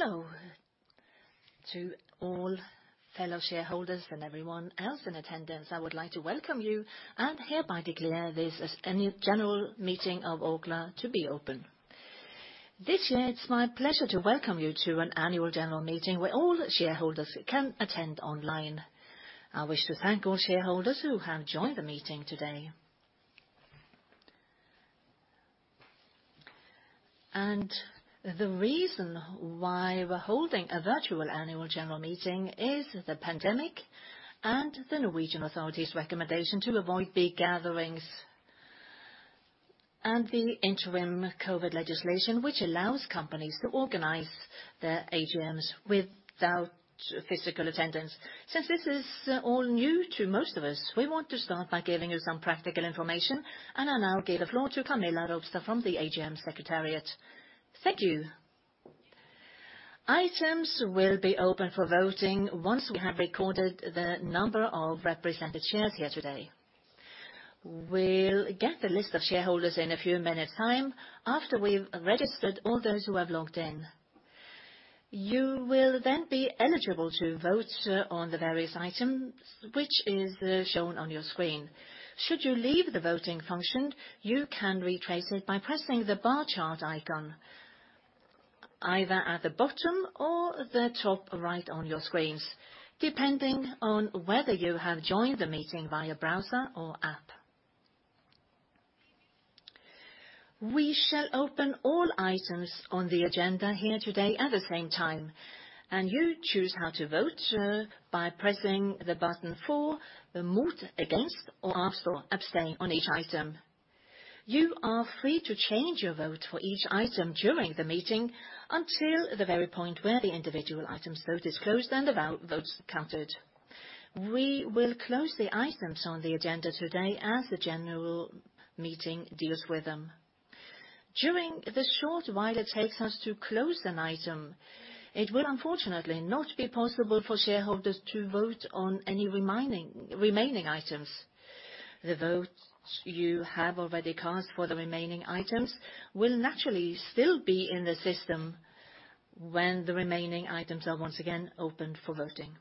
Hello to all fellow shareholders and everyone else in attendance. I would like to welcome you and hereby declare this Annual General Meeting of Orkla to be open. This year, it's my pleasure to welcome you to an Annual General Meeting where all shareholders can attend online. I wish to thank all shareholders who have joined the meeting today, and the reason why we're holding a virtual Annual General Meeting is the pandemic and the Norwegian authorities' recommendation to avoid big gatherings, and the interim COVID legislation, which allows companies to organize their AGMs without physical attendance. Since this is all new to most of us, we want to start by giving you some practical information, and I'll now give the floor to Camilla Robstad from the AGM Secretariat. Thank you. Items will be open for voting once we have recorded the number of represented shares here today. We'll get the list of shareholders in a few minutes' time, after we've registered all those who have logged in. You will then be eligible to vote on the various items, which is shown on your screen. Should you leave the voting function, you can retrace it by pressing the bar chart icon, either at the bottom or the top right on your screens, depending on whether you have joined the meeting via browser or app. We shall open all items on the agenda here today at the same time, and you choose how to vote by pressing the button for the motion, against, or abstain on each item. You are free to change your vote for each item during the meeting until the very point where the individual item's vote is closed and the vote's counted. We will close the items on the agenda today as the general meeting deals with them. During the short while it takes us to close an item, it will unfortunately not be possible for shareholders to vote on any remaining items. The votes you have already cast for the remaining items will naturally still be in the system when the remaining items are once again opened for voting.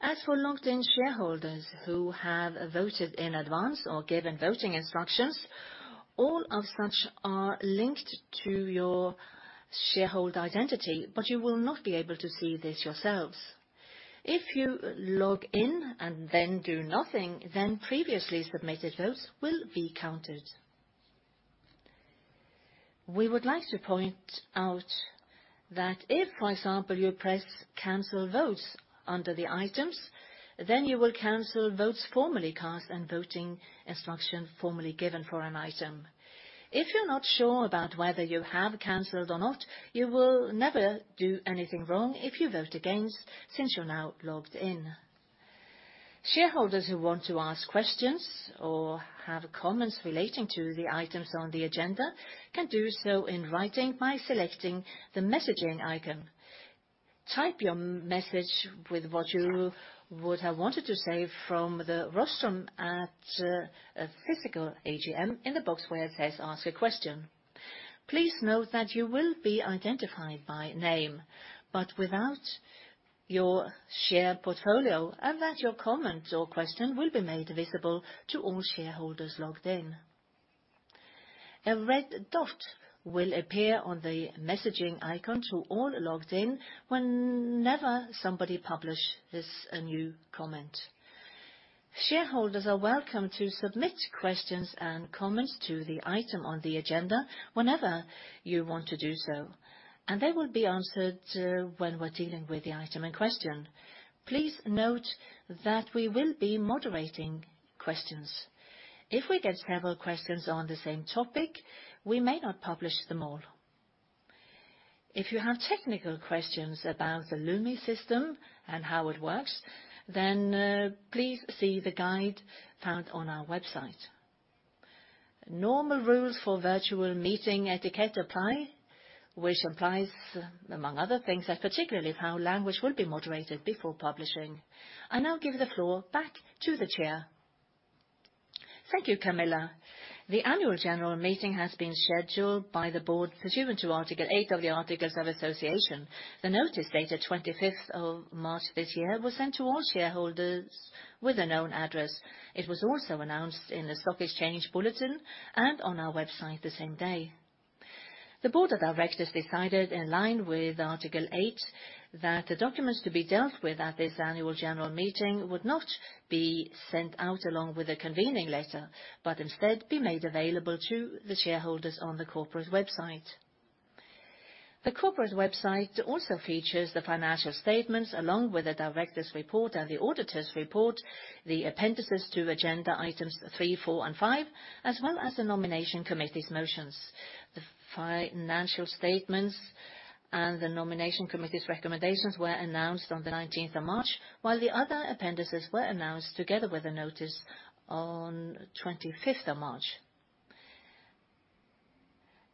As for logged in shareholders who have voted in advance or given voting instructions, all as such are linked to your shareholder identity, but you will not be able to see this yourselves. If you log in and then do nothing, then previously submitted votes will be counted. We would like to point out that if, for example, you press cancel votes under the items, then you will cancel votes formerly cast and voting instruction formerly given for an item. If you're not sure about whether you have canceled or not, you will never do anything wrong if you vote against, since you're now logged in. Shareholders who want to ask questions or have comments relating to the items on the agenda can do so in writing by selecting the messaging icon. Type your message with what you would have wanted to say from the rostrum at a physical AGM in the box where it says, "Ask a question." Please note that you will be identified by name, but without your share portfolio, and that your comment or question will be made visible to all shareholders logged in. A red dot will appear on the messaging icon to all logged in whenever somebody publishes a new comment. Shareholders are welcome to submit questions and comments to the item on the agenda whenever you want to do so, and they will be answered when we're dealing with the item in question. Please note that we will be moderating questions. If we get several questions on the same topic, we may not publish them all. If you have technical questions about the Lumi system and how it works, then please see the guide found on our website. Normal rules for virtual meeting etiquette apply, which applies among other things, and particularly how language will be moderated before publishing. I now give the floor back to the chair. Thank you, Camilla. The annual general meeting has been scheduled by the board pursuant to Article eight of the Articles of Association. The notice, dated twenty-fifth of March this year, was sent to all shareholders with a known address. It was also announced in the stock exchange bulletin and on our website the same day. The board of directors decided, in line with Article eight, that the documents to be dealt with at this annual general meeting would not be sent out along with a convening letter, but instead be made available to the shareholders on the corporate website. The corporate website also features the financial statements, along with the directors' report and the auditors' report, the appendices to agenda items three, four, and five, as well as the nomination committee's motions. The financial statements and the nomination committee's recommendations were announced on the nineteenth of March, while the other appendices were announced, together with a notice, on twenty-fifth of March.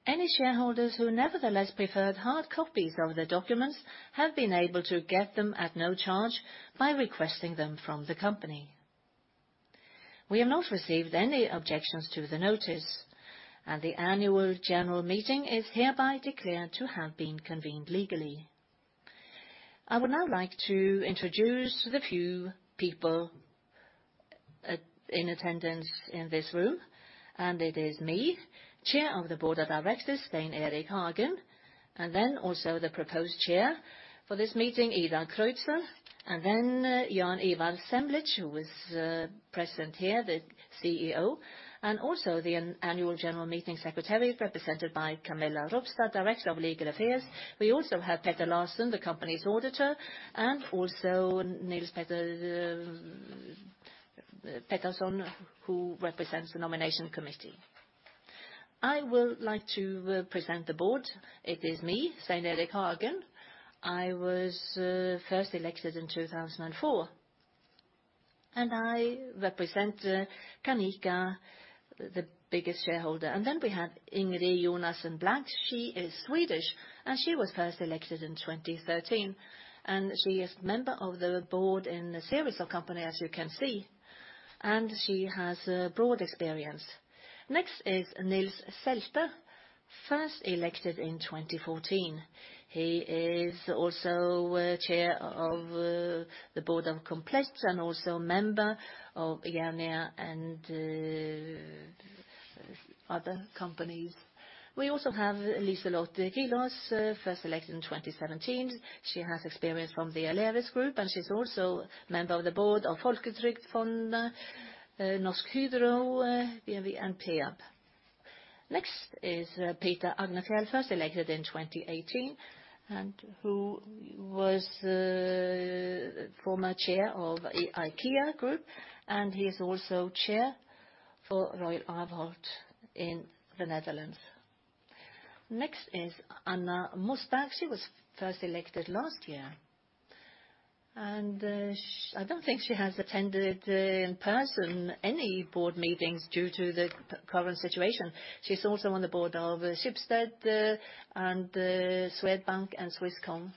Any shareholders who nevertheless preferred hard copies of the documents have been able to get them at no charge by requesting them from the company. We have not received any objections to the notice, and the Annual General Meeting is hereby declared to have been convened legally. I would now like to introduce the few people in attendance in this room, and it is me, Chair of the Board of Directors, Stein Erik Hagen, and then also the proposed chair for this meeting, Idar Kreutzer, and then Jaan Ivar Semlitsch, who is present here, the CEO, and also the annual general meeting secretary, represented by Camilla Robstad, Director of Legal Affairs. We also have Petter Larsen, the company's auditor, and also Nils-Henrik Pettersson, who represents the nomination committee. I will like to present the board. It is me, Stein Erik Hagen. I was first elected in 2004, and I represent Canica, the biggest shareholder, and then we have Ingrid Jonasson Blank. She is Swedish, and she was first elected in 2013, and she is member of the board in a series of company, as you can see, and she has a broad experience. Next is Nils Selte, first elected in 2014. He is also chair of the board of Komplett and also member of Jernia and other companies. We also have Liselott Kilaas, first elected in 2017. She has experience from the Lerøy Group, and she's also member of the board of Folketrygdfondet, Norsk Hydro, BV and Peab. Next is Peter Agnefjäll, first elected in 2018, and who was former chair of IKEA Group, and he is also chair for Aalberts in the Netherlands. Next is Anna Mossberg. She was first elected last year, and I don't think she has attended in person any board meetings due to the current situation. She's also on the board of Schibsted, and Swedbank and Swisscom.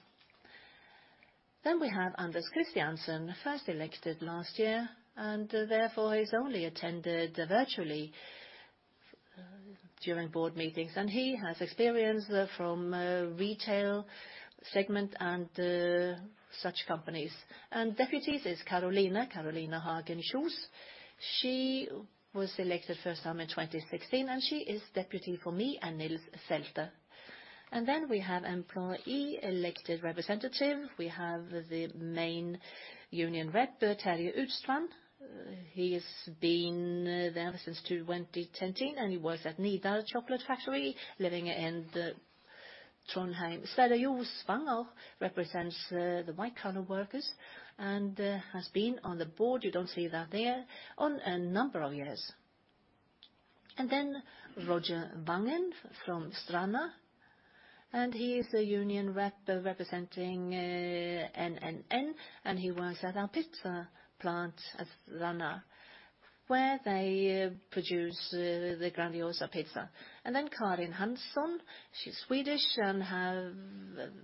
Then we have Anders Kristiansen, first elected last year, and therefore, he's only attended virtually during board meetings, and he has experience from retail segment and such companies. And deputies is Caroline Hagen Kjos. She was elected first time in 2016, and she is deputy for me and Nils Selte. And then we have employee elected representative. We have the main union rep, Terje Utstrand. He has been there since 2017, and he works at Nidar Chocolate Factory, living in Trondheim. Sverre Josvanger represents the white-collar workers and has been on the board, you don't see that there, on a number of years. Then Roger Vangen from Stranda, and he is a union rep representing NNN, and he works at our pizza plant at Stranda, where they produce the Grandiosa pizza. Then Karin Hansson, she's Swedish and have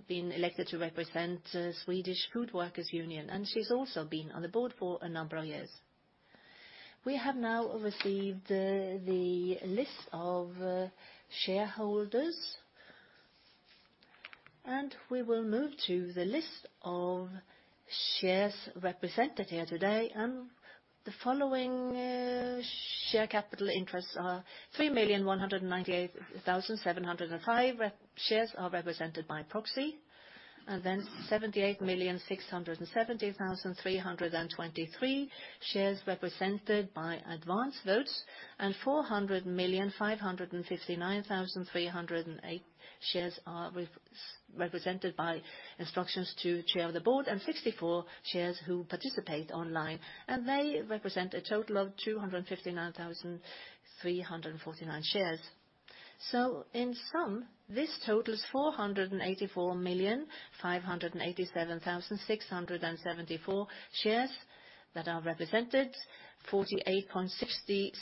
been elected to represent Swedish Food Workers' Union, and she's also been on the board for a number of years. We have now received the list of shareholders, and we will move to the list of shares represented here today. The following share capital interests are 3,198,705 shares represented by proxy, and then 78,670,323 shares represented by advance votes, and 400,559,308 shares represented by instructions to chair of the board, and 64 shares who participate online, and they represent a total of 259,349 shares. So in sum, this totals 484,587,674 shares that are represented, 48.67%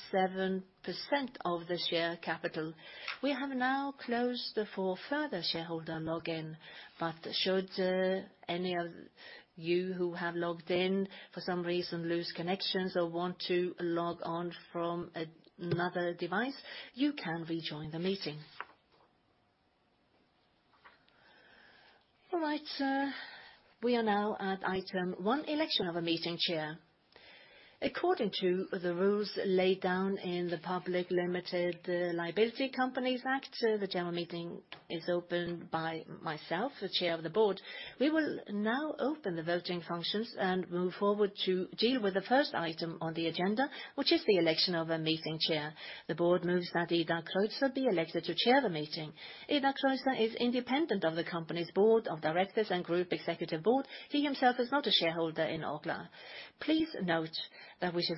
of the share capital. We have now closed for further shareholder login, but should any of you who have logged in for some reason lose connections or want to log on from another device, you can rejoin the meeting. All right, sir, we are now at item one, election of a meeting chair. According to the rules laid down in the Public Limited Liability Companies Act, the general meeting is opened by myself, the chair of the board. We will now open the voting functions and move forward to deal with the first item on the agenda, which is the election of a meeting chair. The board moves that Idar Kreutzer be elected to chair the meeting. Idar Kreutzer is independent of the company's board of directors and group executive board. He himself is not a shareholder in Orkla. Please note that we shall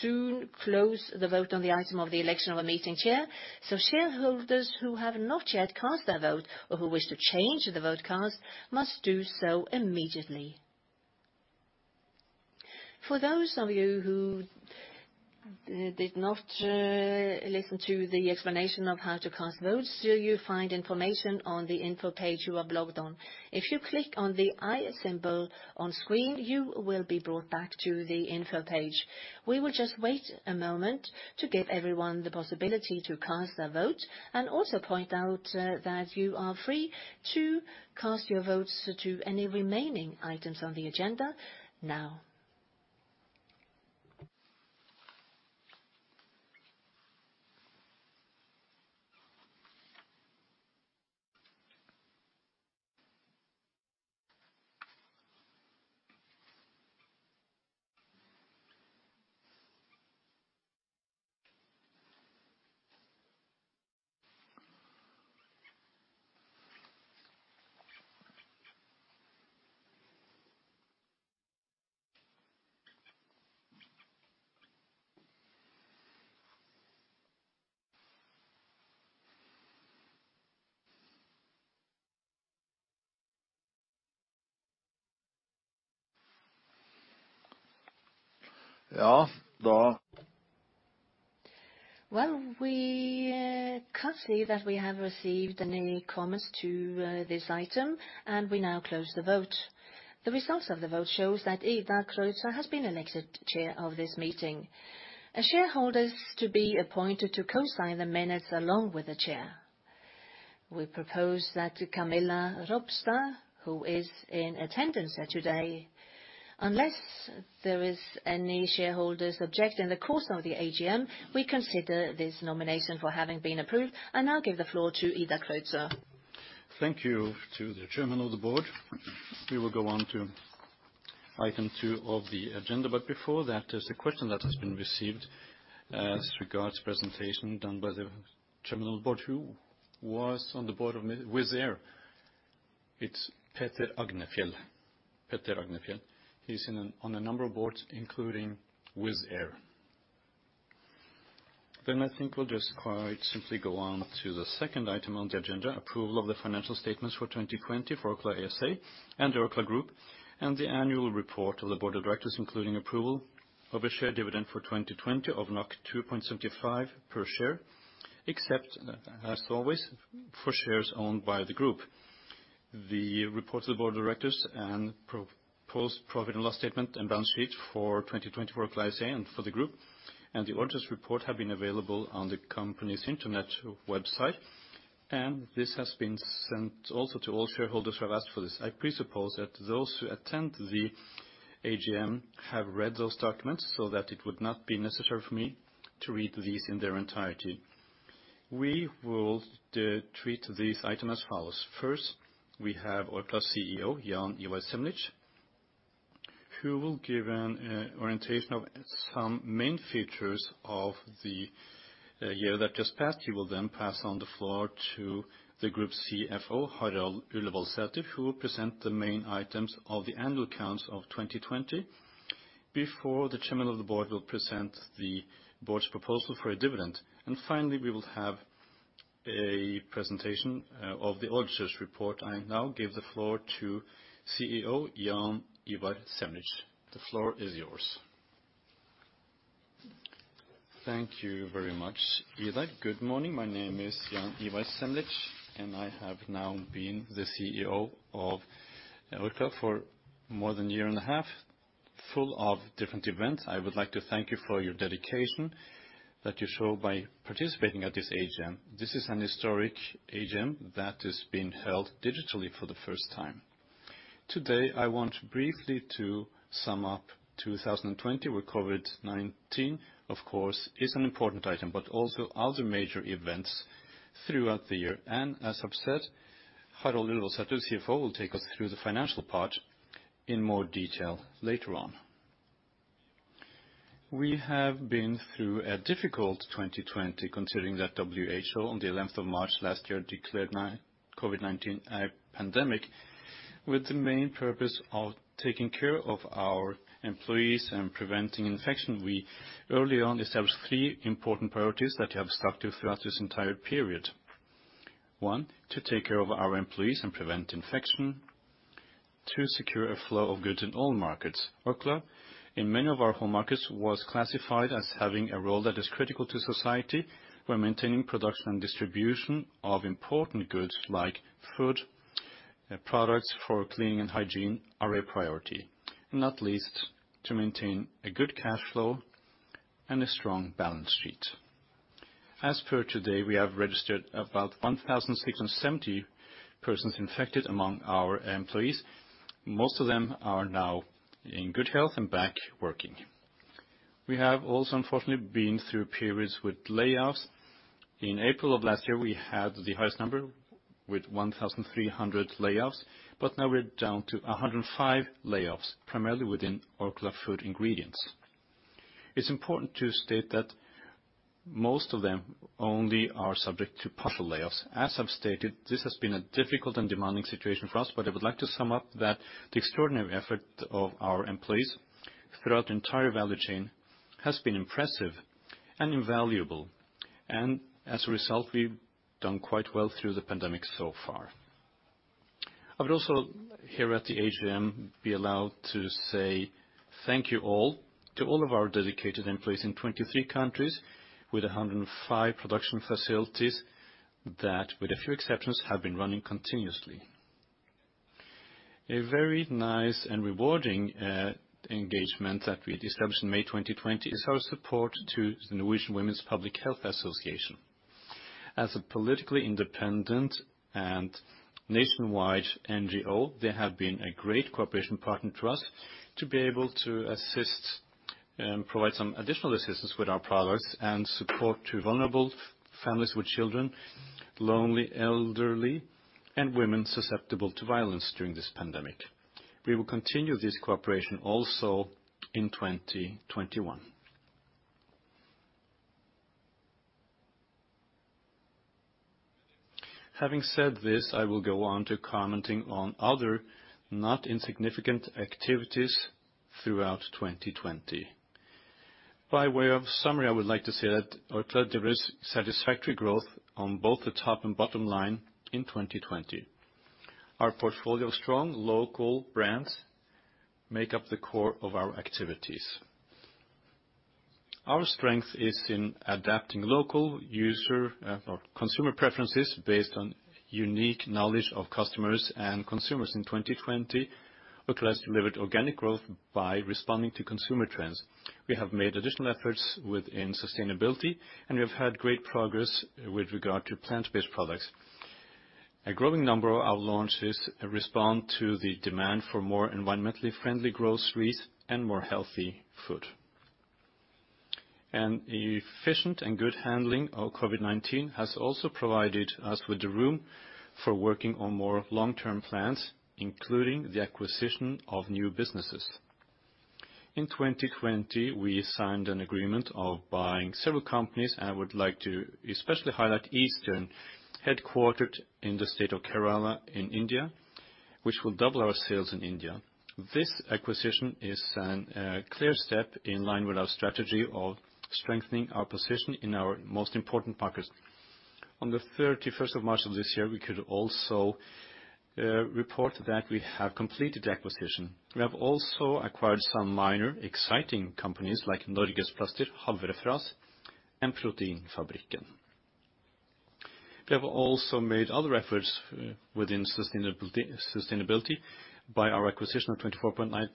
soon close the vote on the item of the election of a meeting chair, so shareholders who have not yet cast their vote or who wish to change the vote cast must do so immediately. For those of you who did not listen to the explanation of how to cast votes, so you find information on the info page you are logged on. If you click on the i symbol on screen, you will be brought back to the info page. We will just wait a moment to give everyone the possibility to cast their vote, and also point out that you are free to cast your votes to any remaining items on the agenda now. Yeah, go on. Well, we can't see that we have received any comments to this item, and we now close the vote. The results of the vote shows that Idar Kreutzer has been elected chair of this meeting. A shareholder is to be appointed to co-sign the minutes along with the chair. We propose that to Camilla Robstad, who is in attendance here today. Unless there is any shareholders objecting in the course of the AGM, we consider this nomination for having been approved, and I'll give the floor to Idar Kreutzer. Thank you to the Chairman of the Board. We will go on to item two of the agenda, but before that, there's a question that has been received as regards presentation done by the Chairman of the Board, who was on the board of Wizz Air. It's Peter Agnefjäll. Peter Agnefjäll. He's on a number of boards, including Wizz Air. Then I think we'll just quite simply go on to the second item on the agenda, approval of the financial statements for 2020 for Orkla ASA and Orkla Group, and the annual report of the Board of Directors, including approval of a share dividend for 2020 of 2.75 per share, except, as always, for shares owned by the group. The report to the board of directors and proposed profit and loss statement and balance sheet for 2020 for Orkla ASA and for the group, and the auditor's report have been available on the company's internet website, and this has been sent also to all shareholders who have asked for this. I presuppose that those who attend the AGM have read those documents, so that it would not be necessary for me to read these in their entirety. We will treat this item as follows. First, we have Orkla's CEO, Jaan Ivar Semlitsch, who will give an orientation of some main features of the year that just passed. He will then pass on the floor to the group CFO, Harald Ullevoldsæter, who will present the main items of the annual accounts of 2020, before the chairman of the board will present the board's proposal for a dividend, and finally, we will have a presentation of the auditor's report. I now give the floor to CEO Jaan Ivar Semlitsch. The floor is yours. Thank you very much, Idar. Good morning, my name is Jaan Ivar Semlitsch, and I have now been the CEO of Orkla for more than a year and a half, full of different events. I would like to thank you for your dedication that you show by participating at this AGM. This is an historic AGM that is being held digitally for the first time. Today, I want briefly to sum up two thousand and twenty, where COVID-19, of course, is an important item, but also other major events throughout the year, and as I've said, Harald Ullevoldsæter, CFO, will take us through the financial part in more detail later on. We have been through a difficult twenty twenty, considering that WHO, on the eleventh of March last year, declared COVID-19 a pandemic. With the main purpose of taking care of our employees and preventing infection, we early on established three important priorities that have stuck to throughout this entire period. One, to take care of our employees and prevent infection. Two, secure a flow of goods in all markets. Orkla, in many of our home markets, was classified as having a role that is critical to society. We're maintaining production and distribution of important goods like food, products for cleaning and hygiene are a priority, and not least, to maintain a good cash flow and a strong balance sheet. As per today, we have registered about one thousand six hundred and seventy persons infected among our employees. Most of them are now in good health and back working. We have also, unfortunately, been through periods with layoffs. In April of last year, we had the highest number with one thousand three hundred layoffs, but now we're down to a hundred and five layoffs, primarily within Orkla Food Ingredients. It's important to state that most of them only are subject to partial layoffs. As I've stated, this has been a difficult and demanding situation for us, but I would like to sum up that the extraordinary effort of our employees throughout the entire value chain has been impressive and invaluable. And as a result, we've done quite well through the pandemic so far. I would also, here at the AGM, be allowed to say thank you all, to all of our dedicated employees in twenty-three countries, with a hundred and five production facilities, that, with a few exceptions, have been running continuously. A very nice and rewarding engagement that we established in May 2020 is our support to the Norwegian Women's Public Health Association. As a politically independent and nationwide NGO, they have been a great cooperation partner to us, to be able to assist and provide some additional assistance with our products, and support to vulnerable families with children, lonely, elderly, and women susceptible to violence during this pandemic. We will continue this cooperation also in 2021. Having said this, I will go on to commenting on other not insignificant activities throughout 2020. By way of summary, I would like to say that Orkla delivered satisfactory growth on both the top and bottom line in 2020. Our portfolio of strong local brands make up the core of our activities. Our strength is in adapting local user, or consumer preferences based on unique knowledge of customers and consumers. In 2020, Orkla has delivered organic growth by responding to consumer trends. We have made additional efforts within sustainability, and we have had great progress with regard to plant-based products. A growing number of our launches respond to the demand for more environmentally friendly groceries and more healthy food, and the efficient and good handling of COVID-19 has also provided us with the room for working on more long-term plans, including the acquisition of new businesses. In 2020, we signed an agreement of buying several companies, and I would like to especially highlight Eastern, headquartered in the state of Kerala in India, which will double our sales in India. This acquisition is a clear step in line with our strategy of strengthening our position in our most important markets. On the thirty-first of March of this year, we could also report that we have completed the acquisition. We have also acquired some minor exciting companies like Norgesplaster, Havrefras, and Proteinfabrikken. We have also made other efforts within sustainability by our acquisition of 24.9%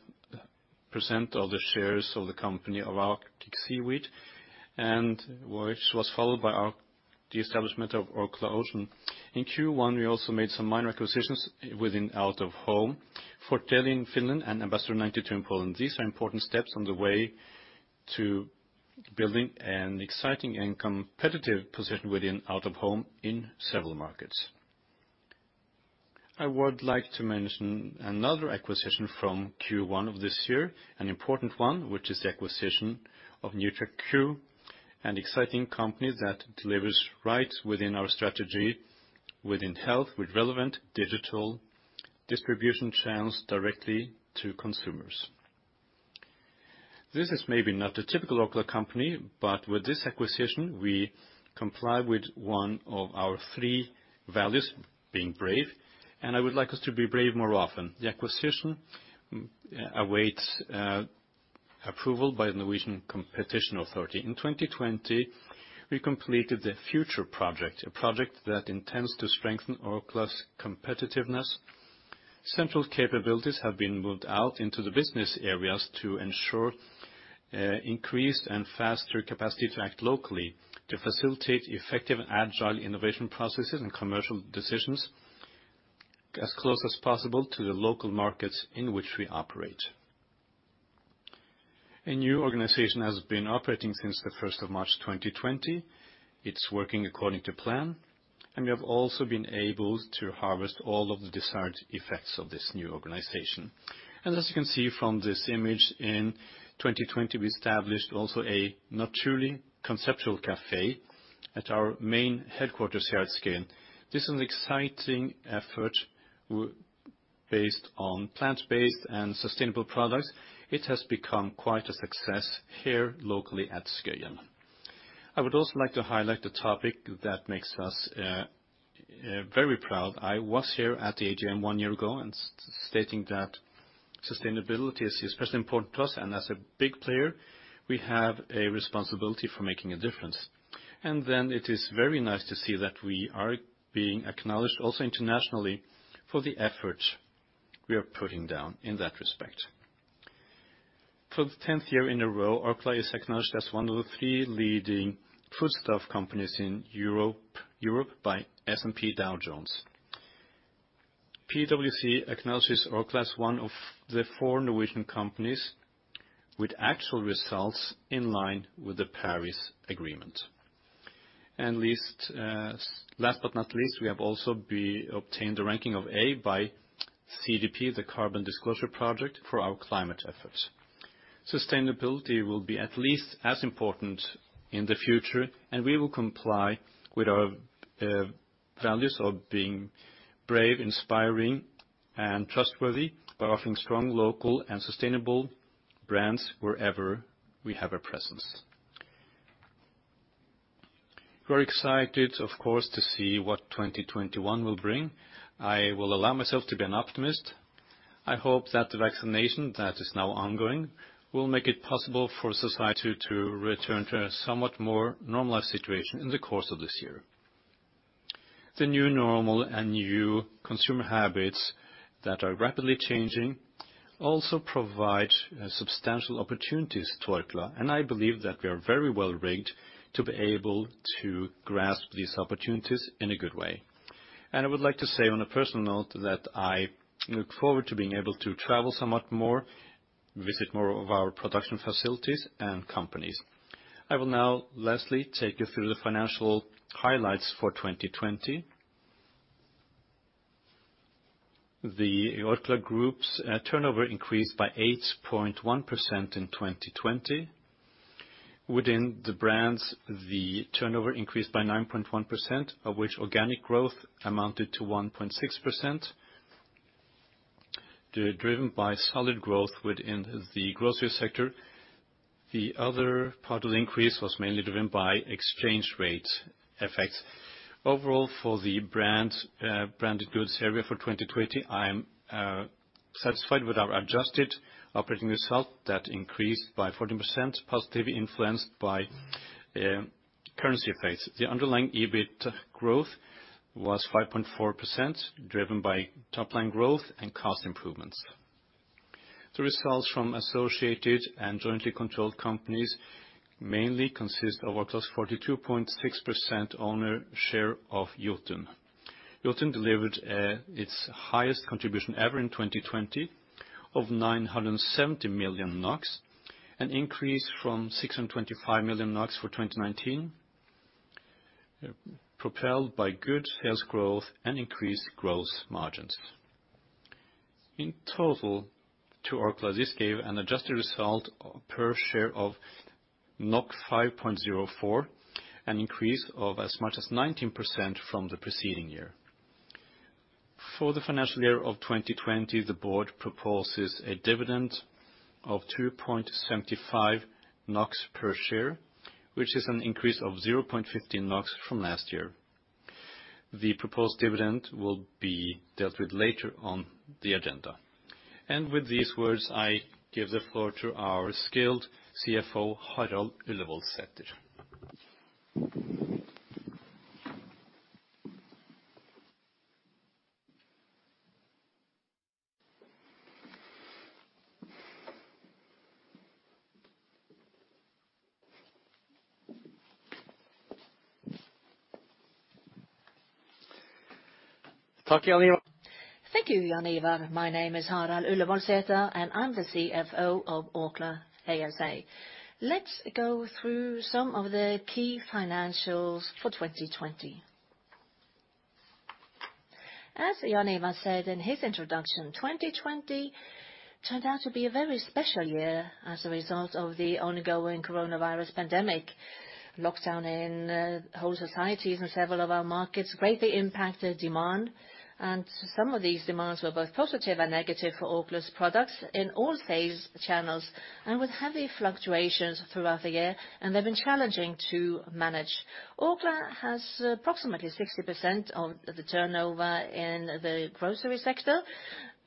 of the shares of the company of Arctic Seaweed, and which was followed by the establishment of Orkla Ocean. In Q1, we also made some minor acquisitions within out-of-home for Fort Deli in Finland and Ambasador92 in Poland. These are important steps on the way to building an exciting and competitive position within out-of-home in several markets. I would like to mention another acquisition from Q1 of this year, an important one, which is the acquisition of NutraQ, an exciting company that delivers right within our strategy, within health, with relevant digital distribution channels directly to consumers. This is maybe not a typical Orkla company, but with this acquisition, we comply with one of our three values, being brave, and I would like us to be brave more often. The acquisition awaits approval by the Norwegian Competition Authority. In 2020, we completed the Future project, a project that intends to strengthen Orkla's competitiveness. Central capabilities have been moved out into the business areas to ensure increased and faster capacity to act locally, to facilitate effective and agile innovation processes and commercial decisions, as close as possible to the local markets in which we operate. A new organization has been operating since the first of March 2020. It's working according to plan, and we have also been able to harvest all of the desired effects of this new organization. As you can see from this image, in 2020, we established also a not truly conceptual café at our main headquarters here at Skøyen. This is an exciting effort based on plant-based and sustainable products. It has become quite a success here locally at Skøyen. I would also like to highlight a topic that makes us very proud. I was here at the AGM one year ago and stating that sustainability is especially important to us, and as a big player, we have a responsibility for making a difference. Then it is very nice to see that we are being acknowledged, also internationally, for the effort we are putting down in that respect. For the tenth year in a row, Orkla is acknowledged as one of the three leading foodstuff companies in Europe by S&P Dow Jones. PwC acknowledges Orkla as one of the four Norwegian companies with actual results in line with the Paris Agreement. Last but not least, we have also obtained a ranking of A by CDP, the Carbon Disclosure Project, for our climate efforts. Sustainability will be at least as important in the future, and we will comply with our values of being brave, inspiring, and trustworthy by offering strong, local, and sustainable brands wherever we have a presence. We're excited, of course, to see what twenty twenty-one will bring. I will allow myself to be an optimist. I hope that the vaccination that is now ongoing will make it possible for society to return to a somewhat more normalized situation in the course of this year. The new normal and new consumer habits that are rapidly changing also provide substantial opportunities to Orkla, and I believe that we are very well-rigged to be able to grasp these opportunities in a good way. And I would like to say on a personal note, that I look forward to being able to travel somewhat more, visit more of our production facilities and companies. I will now lastly take you through the financial highlights for 2020. The Orkla Group's turnover increased by 8.1% in 2020. Within the brands, the turnover increased by 9.1%, of which organic growth amounted to 1.6%, driven by solid growth within the grocery sector. The other part of the increase was mainly driven by exchange rate effects. Overall, for the brands branded goods area for 2020, I am satisfied with our adjusted operating result that increased by 14%, positively influenced by currency effects. The underlying EBIT growth was 5.4%, driven by top-line growth and cost improvements. The results from associated and jointly controlled companies mainly consist of our 42.6% owner share of Jotun. Jotun delivered its highest contribution ever in 2020 of 970 million NOK, an increase from 625 million NOK for 2019, propelled by good sales growth and increased growth margins. In total, to Orkla, this gave an adjusted result per share of 5.04, an increase of as much as 19% from the preceding year. For the financial year of 2020, the board proposes a dividend of 2.75 NOK per share, which is an increase of 0.15 NOK from last year. The proposed dividend will be dealt with later on the agenda. And with these words, I give the floor to our skilled CFO, Harald Ullevoldsæter. Thank you, Jaan Ivar. My name is Harald Ullevoldsæter, and I'm the CFO of Orkla ASA. Let's go through some of the key financials for twenty twenty. As Jaan Ivar said in his introduction, twenty twenty turned out to be a very special year as a result of the ongoing coronavirus pandemic. Lockdown in whole societies in several of our markets greatly impacted demand, and some of these demands were both positive and negative for Orkla's products in all sales channels, and with heavy fluctuations throughout the year, and they've been challenging to manage. Orkla has approximately 60% of the turnover in the grocery sector,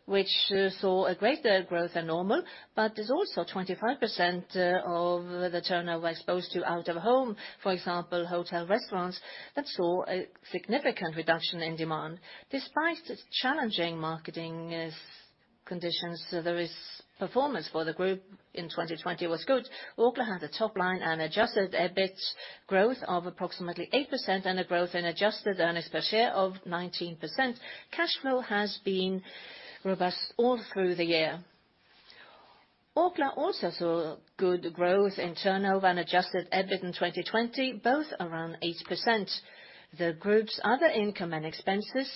which saw a greater growth than normal, but there's also 25% of the turnover exposed to out of home, for example, hotels, restaurants, that saw a significant reduction in demand. Despite challenging market conditions, the performance for the group in 2020 was good. Orkla had a top line and adjusted EBIT growth of approximately 8% and a growth in adjusted earnings per share of 19%. Cash flow has been robust all through the year. Orkla also saw good growth in turnover and adjusted EBIT in 2020, both around 8%. The group's other income and expenses,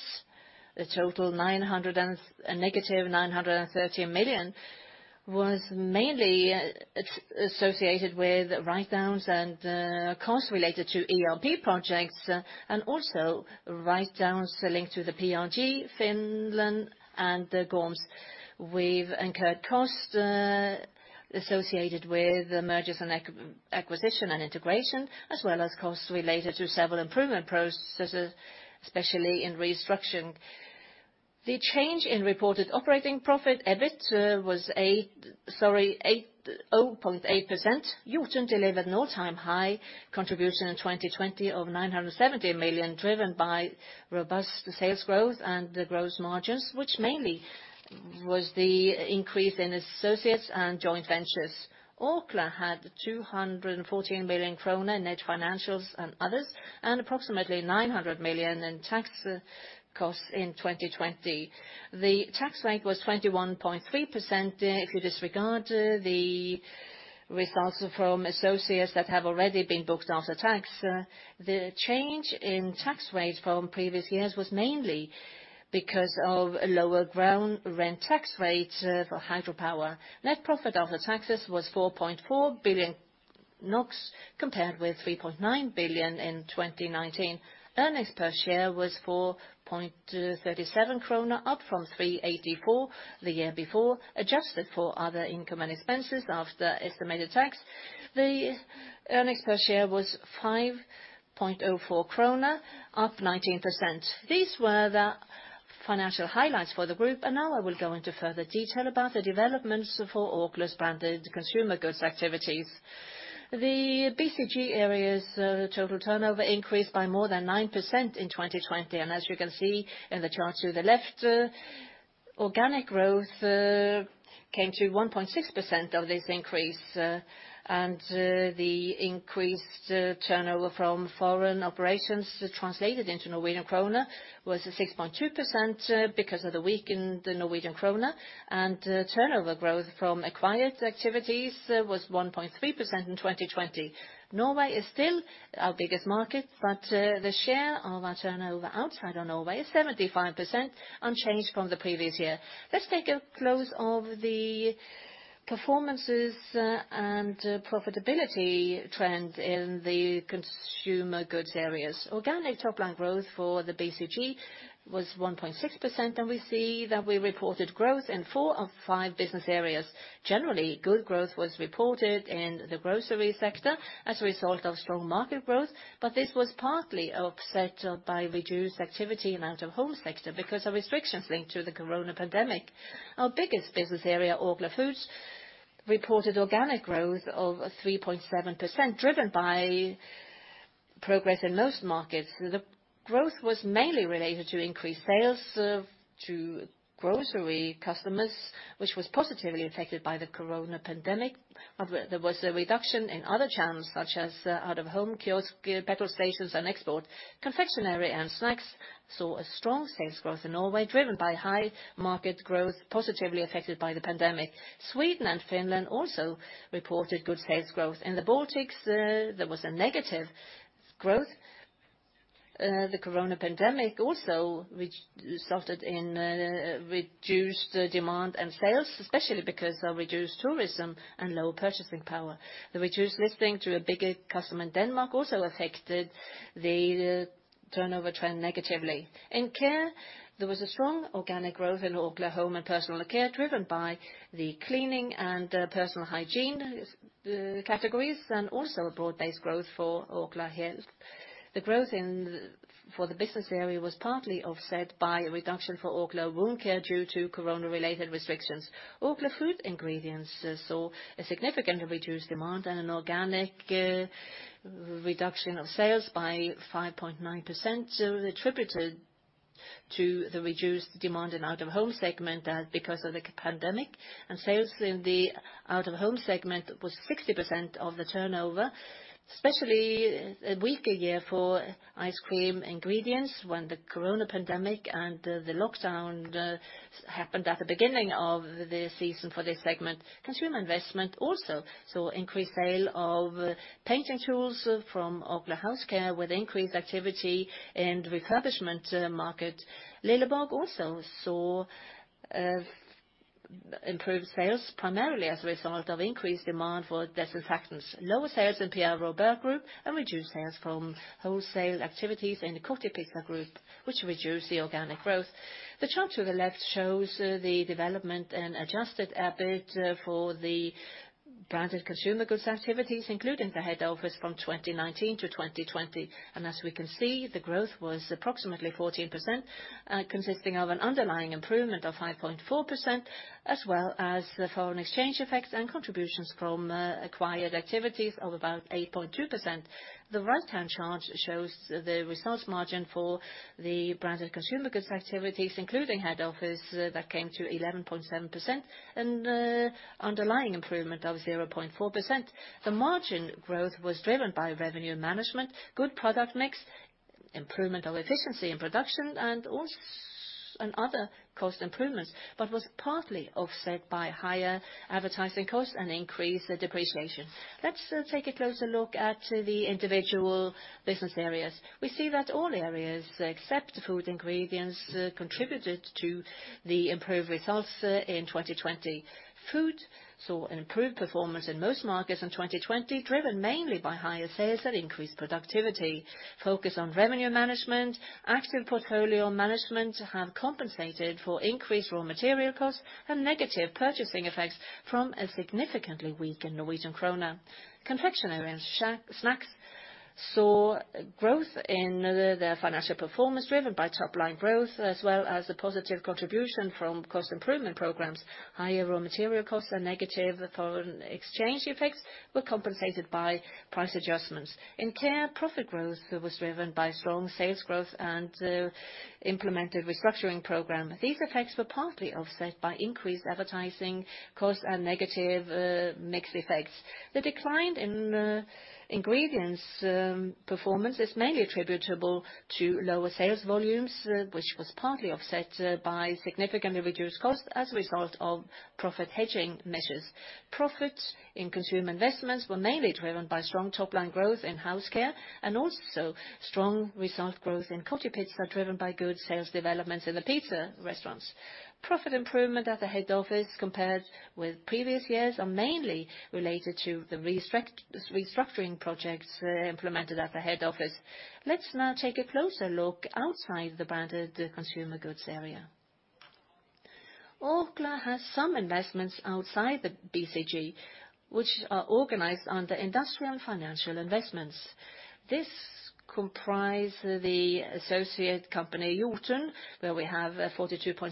a total negative 930 million, was mainly associated with write-downs and costs related to ERP projects, and also write-downs selling to the PRG, Finland, and Gorms. We've incurred costs associated with the mergers and acquisition and integration, as well as costs related to several improvement processes, especially in restructuring. The change in reported operating profit, EBIT, was 8.8%. Jotun delivered an all-time high contribution in 2020 of 970 million, driven by robust sales growth and the gross margins, which mainly was the increase in associates and joint ventures. Orkla had 214 million kroner in net financials and others, and approximately 900 million in tax costs in 2020. The tax rate was 21.3%. If you disregard the results from associates that have already been booked after tax, the change in tax rate from previous years was mainly because of a lower ground rent tax rate for hydropower. Net profit after taxes was 4.4 billion NOK, compared with 3.9 billion NOK in 2019. Earnings per share was 4.37 krone, up from 3.84 the year before. Adjusted for other income and expenses after estimated tax, the earnings per share was 5.04 krone, up 19%. These were the financial highlights for the group, and now I will go into further detail about the developments for Orkla's branded consumer goods activities. The BCG area's total turnover increased by more than 9% in 2020, and as you can see in the chart to the left, organic growth came to 1.6% of this increase. And, the increased turnover from foreign operations translated into Norwegian kroner was 6.2%, because of the weakened Norwegian kroner. And, turnover growth from acquired activities was 1.3% in 2020. Norway is still our biggest market, but the share of our turnover outside of Norway is 75%, unchanged from the previous year. Let's take a closer look at the performance and profitability trends in the consumer goods areas. Organic top line growth for the BCG was 1.6%, and we see that we reported growth in four of five business areas. Generally, good growth was reported in the grocery sector as a result of strong market growth, but this was partly offset by reduced activity in out-of-home sector because of restrictions linked to the COVID pandemic. Our biggest business area, Orkla Foods, reported organic growth of 3.7%, driven by progress in most markets. The growth was mainly related to increased sales to grocery customers, which was positively affected by the COVID pandemic. However, there was a reduction in other channels, such as out-of-home kiosk, petrol stations, and export. Confectionery & Snacks saw a strong sales growth in Norway, driven by high market growth, positively affected by the pandemic. Sweden and Finland also reported good sales growth. In the Baltics, there was a negative growth. The COVID pandemic also resulted in reduced demand and sales, especially because of reduced tourism and lower purchasing power. The reduced listing to a bigger customer in Denmark also affected the turnover trend negatively. In care, there was a strong organic growth in Orkla Home & Personal Care, driven by the cleaning and personal hygiene categories, and also a broad-based growth for Orkla Health. The growth for the business area was partly offset by a reduction for Orkla Wound Care due to COVID-related restrictions. Orkla food ingredients saw a significantly reduced demand and an organic reduction of sales by 5.9%, attributed to the reduced demand in out-of-home segment because of the pandemic, and sales in the out-of-home segment was 60% of the turnover, especially a weaker year for ice cream ingredients when the COVID pandemic and the lockdown happened at the beginning of the season for this segment. Consumer Investments also saw increased sale of painting tools from Orkla House Care, with increased activity in the refurbishment market. Lilleborg also saw improved sales, primarily as a result of increased demand for disinfectants. Lower sales in Pierre Robert Group and reduced sales from wholesale activities in the Kotipizza Group, which reduced the organic growth. The chart to the left shows the development and adjusted EBIT for the branded consumer goods activities, including the head office from 2019 to 2020. As we can see, the growth was approximately 14%, consisting of an underlying improvement of 5.4%, as well as the foreign exchange effects and contributions from acquired activities of about 8.2%. The right-hand chart shows the results margin for the branded consumer goods activities, including head office, that came to 11.7%, and underlying improvement of 0.4%. The margin growth was driven by revenue management, good product mix, improvement of efficiency in production, and other cost improvements, but was partly offset by higher advertising costs and increased depreciation. Let's take a closer look at the individual business areas. We see that all areas, except food ingredients, contributed to the improved results in 2020. Food saw an improved performance in most markets in 2020, driven mainly by higher sales and increased productivity. Focus on revenue management, active portfolio management, have compensated for increased raw material costs and negative purchasing effects from a significantly weakened Norwegian kroner. Confectionery and snacks saw growth in the financial performance, driven by top line growth, as well as a positive contribution from cost improvement programs. Higher raw material costs and negative foreign exchange effects were compensated by price adjustments. In Care, profit growth was driven by strong sales growth and implemented restructuring program. These effects were partly offset by increased advertising costs and negative mix effects. The decline in Ingredients performance is mainly attributable to lower sales volumes, which was partly offset by significantly reduced costs as a result of profit hedging measures. Profits in consumer investments were mainly driven by strong top line growth in house care, and also strong result growth in Kotipizza, driven by good sales developments in the pizza restaurants. Profit improvement at the head office compared with previous years are mainly related to the restructuring projects implemented at the head office. Let's now take a closer look outside the branded consumer goods area. Orkla has some investments outside the BCG, which are organized under industrial and financial investments. This comprise the associate company, Jotun, where we have a 42.6%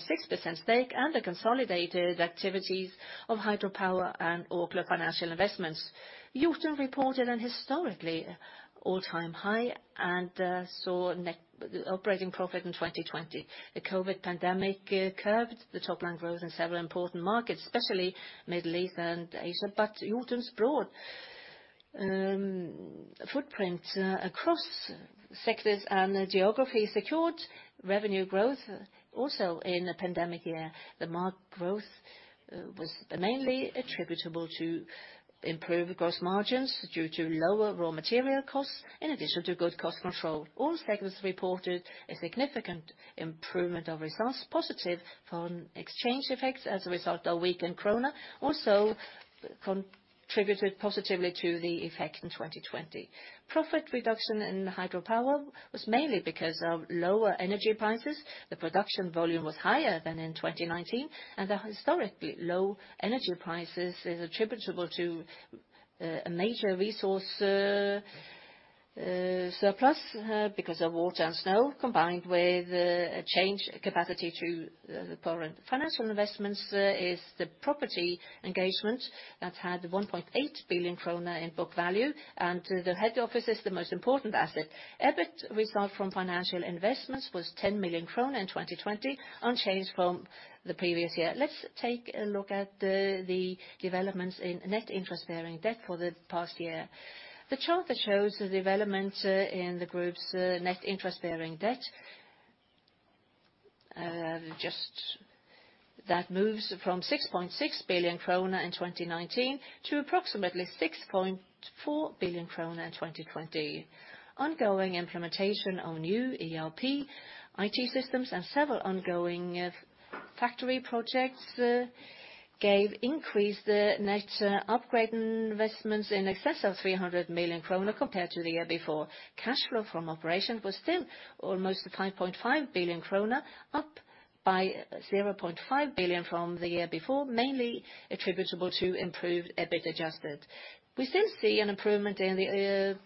stake, and the consolidated activities of hydropower and Orkla financial investments. Jotun reported an historically all-time high, and saw net operating profit in 2020. The COVID pandemic curbed the top line growth in several important markets, especially Middle East and Asia. But Jotun's broad footprint across sectors and geography secured revenue growth, also in a pandemic year. The marked growth was mainly attributable to improved gross margins due to lower raw material costs, in addition to good cost control. All sectors reported a significant improvement of results, positive from exchange effects as a result of weakened krona, also contributed positively to the effect in 2020. Profit reduction in hydropower was mainly because of lower energy prices. The production volume was higher than in 2019, and the historically low energy prices is attributable to a major resource surplus because of water and snow, combined with a change capacity to the current. Financial investments is the property engagement that had 1.8 billion kroner in book value, and the head office is the most important asset. EBIT result from financial investments was 10 million krone in 2020, unchanged from the previous year. Let's take a look at the developments in net interest-bearing debt for the past year. The chart that shows the development in the group's net interest-bearing debt just that moves from 6.6 billion kroner in 2019 to approximately 6.4 billion kroner in 2020. Ongoing implementation of new ERP, IT systems, and several ongoing factory projects gave increase the net upgrade investments in excess of 300 million kroner compared to the year before. Cash flow from operation was still almost 5.5 billion kroner, up by 0.5 billion from the year before, mainly attributable to improved adjusted EBIT. We still see an improvement in the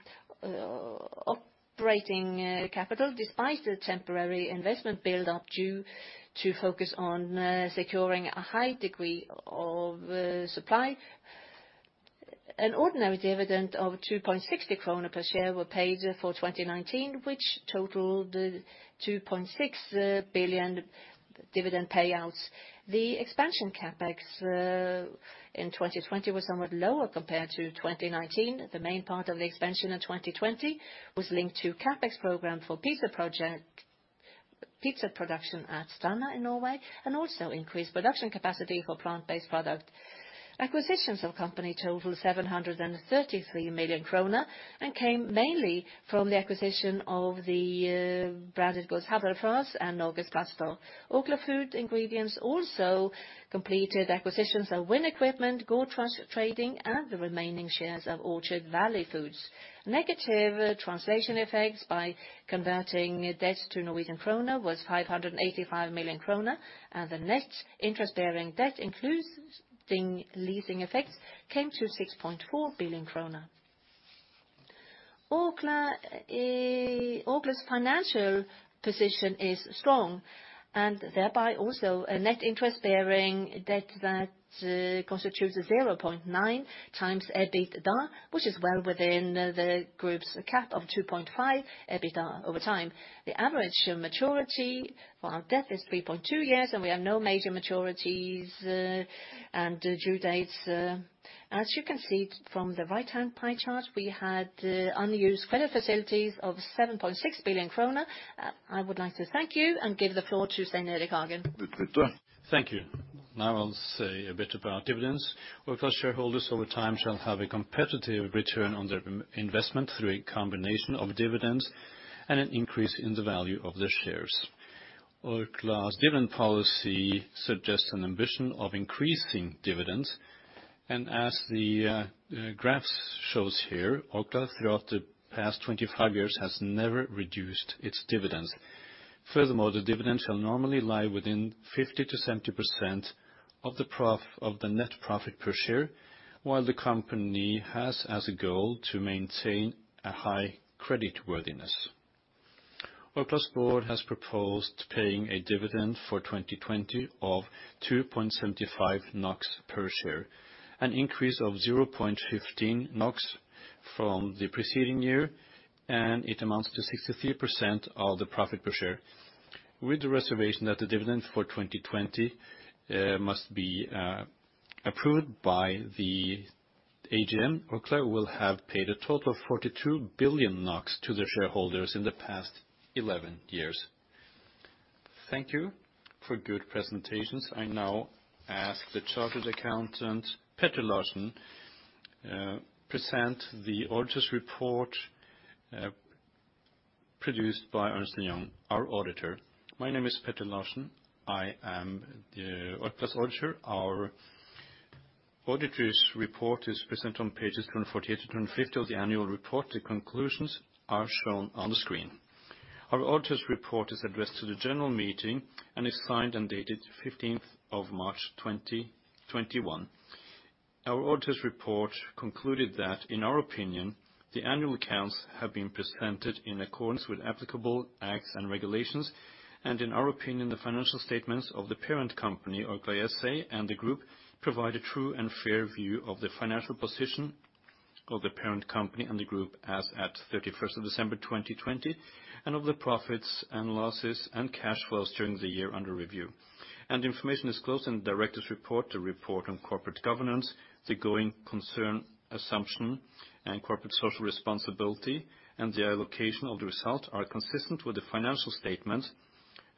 operating capital, despite the temporary investment build-up due to focus on securing a high degree of supply. An ordinary dividend of 2.60 krone per share were paid for 2019, which totaled 2.6 billion dividend payouts. The expansion CapEx in 2020 was somewhat lower compared to 2019. The main part of the expansion in 2020 was linked to CapEx program for pizza project, pizza production at Stranda in Norway, and also increased production capacity for plant-based product. Acquisitions of company totaled 733 million kroner, and came mainly from the acquisition of the branded goods Havrefras and Norgesplaster. Orkla Food Ingredients also completed acquisitions of Win Equipment, Gortrush Trading, and the remaining shares of Orchard Valley Foods. Negative translation effects by converting debt to Norwegian krona was 585 million krone, and the net interest-bearing debt, including leasing effects, came to 6.4 billion kroner. Orkla's financial position is strong, and thereby also a net interest bearing debt that constitutes a 0.9 times EBITDA, which is well within the group's cap of 2.5 EBITDA over time. The average maturity for our debt is 3.2 years, and we have no major maturities and due dates. As you can see from the right-hand pie chart, we had unused credit facilities of 7.6 billion kroner. I would like to thank you and give the floor to Stein Erik Hagen. Thank you. Now I'll say a bit about dividends. Orkla shareholders over time shall have a competitive return on their investment through a combination of dividends and an increase in the value of their shares. Orkla's dividend policy suggests an ambition of increasing dividends, and as the graphs shows here, Orkla, throughout the past 25 years, has never reduced its dividends. Furthermore, the dividend shall normally lie within 50%-70% of the net profit per share, while the company has as a goal to maintain a high creditworthiness. Orkla's board has proposed paying a dividend for 2020 of 2.75 NOK per share, an increase of 0.15 NOK from the preceding year, and it amounts to 63% of the profit per share. With the reservation that the dividend for 2020 must be approved by the AGM, Orkla will have paid a total of 42 billion NOK to the shareholders in the past 11 years. Thank you for good presentations. I now ask the chartered accountant, Petter Larsen, to present the auditor's report produced by Ernst & Young, our auditor. My name is Petter Larsen. I am the Orkla's auditor. Our auditor's report is presented on pages twenty-four to twenty-five of the annual report. The conclusions are shown on the screen. Our auditor's report is addressed to the general meeting and is signed and dated fifteenth of March, 2021. Our auditor's report concluded that, in our opinion, the annual accounts have been presented in accordance with applicable acts and regulations, and in our opinion, the financial statements of the parent company, Orkla ASA, and the group provide a true and fair view of the financial position of the parent company and the group as at thirty-first of December, 2020, and of the profits and losses and cash flows during the year under review. Information disclosed in the directors' report, the report on corporate governance, the going concern assumption, and corporate social responsibility, and the allocation of the results are consistent with the financial statement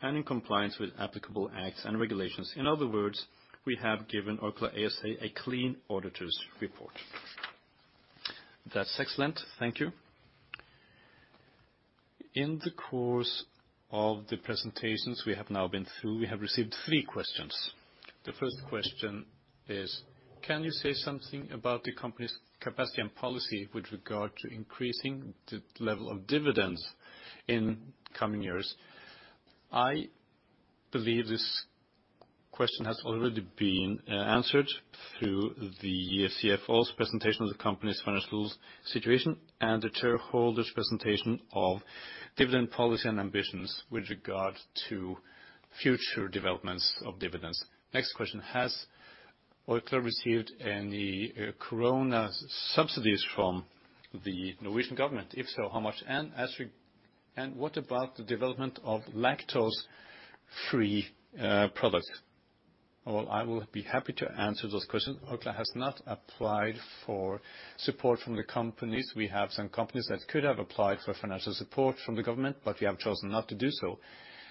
and in compliance with applicable acts and regulations. In other words, we have given Orkla ASA a clean auditor's report. That's excellent. Thank you. In the course of the presentations we have now been through, we have received three questions. The first question is: Can you say something about the company's capacity and policy with regard to increasing the level of dividends in coming years? I believe this question has already been answered through the CFO's presentation of the company's financial situation and the shareholders' presentation of dividend policy and ambitions with regard to future developments of dividends. Next question: Has Orkla received any corona subsidies from the Norwegian government? If so, how much? And what about the development of lactose-free products? Well, I will be happy to answer those questions. Orkla has not applied for support from the companies. We have some companies that could have applied for financial support from the government, but we have chosen not to do so.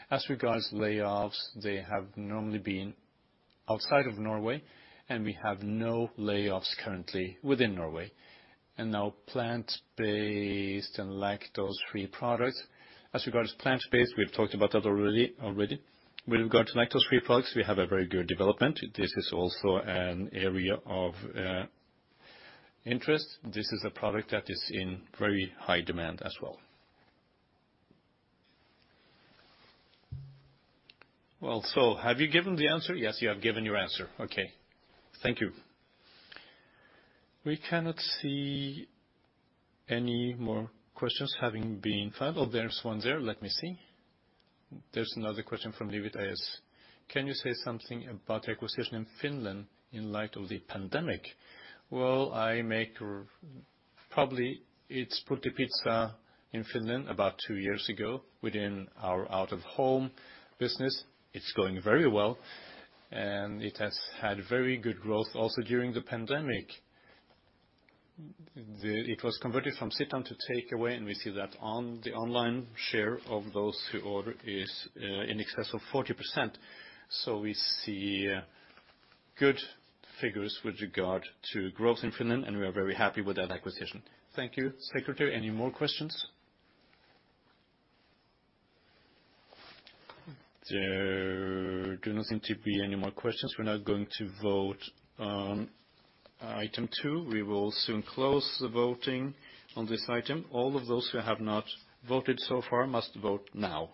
As regards layoffs, they have normally been outside of Norway, and we have no layoffs currently within Norway. And now, plant-based and lactose-free products. As regards plant-based, we've talked about that already. With regard to lactose-free products, we have a very good development. This is also an area of interest. This is a product that is in very high demand as well. Well, so have you given the answer? Yes, you have given your answer. Okay. Thank you. We cannot see any more questions having been filed. Oh, there's one there. Let me see. There's another question from David AS: Can you say something about the acquisition in Finland in light of the pandemic? Well, probably it's Kotipizza in Finland, about two years ago, within our out-of-home business. It's going very well, and it has had very good growth also during the pandemic. It was converted from sit-down to takeaway, and we see that the online share of those who order is in excess of 40%. So we see good figures with regard to growth in Finland, and we are very happy with that acquisition. Thank you. Secretary, any more questions? There do not seem to be any more questions. We're now going to vote on item two. We will soon close the voting on this item. All of those who have not voted so far must vote now.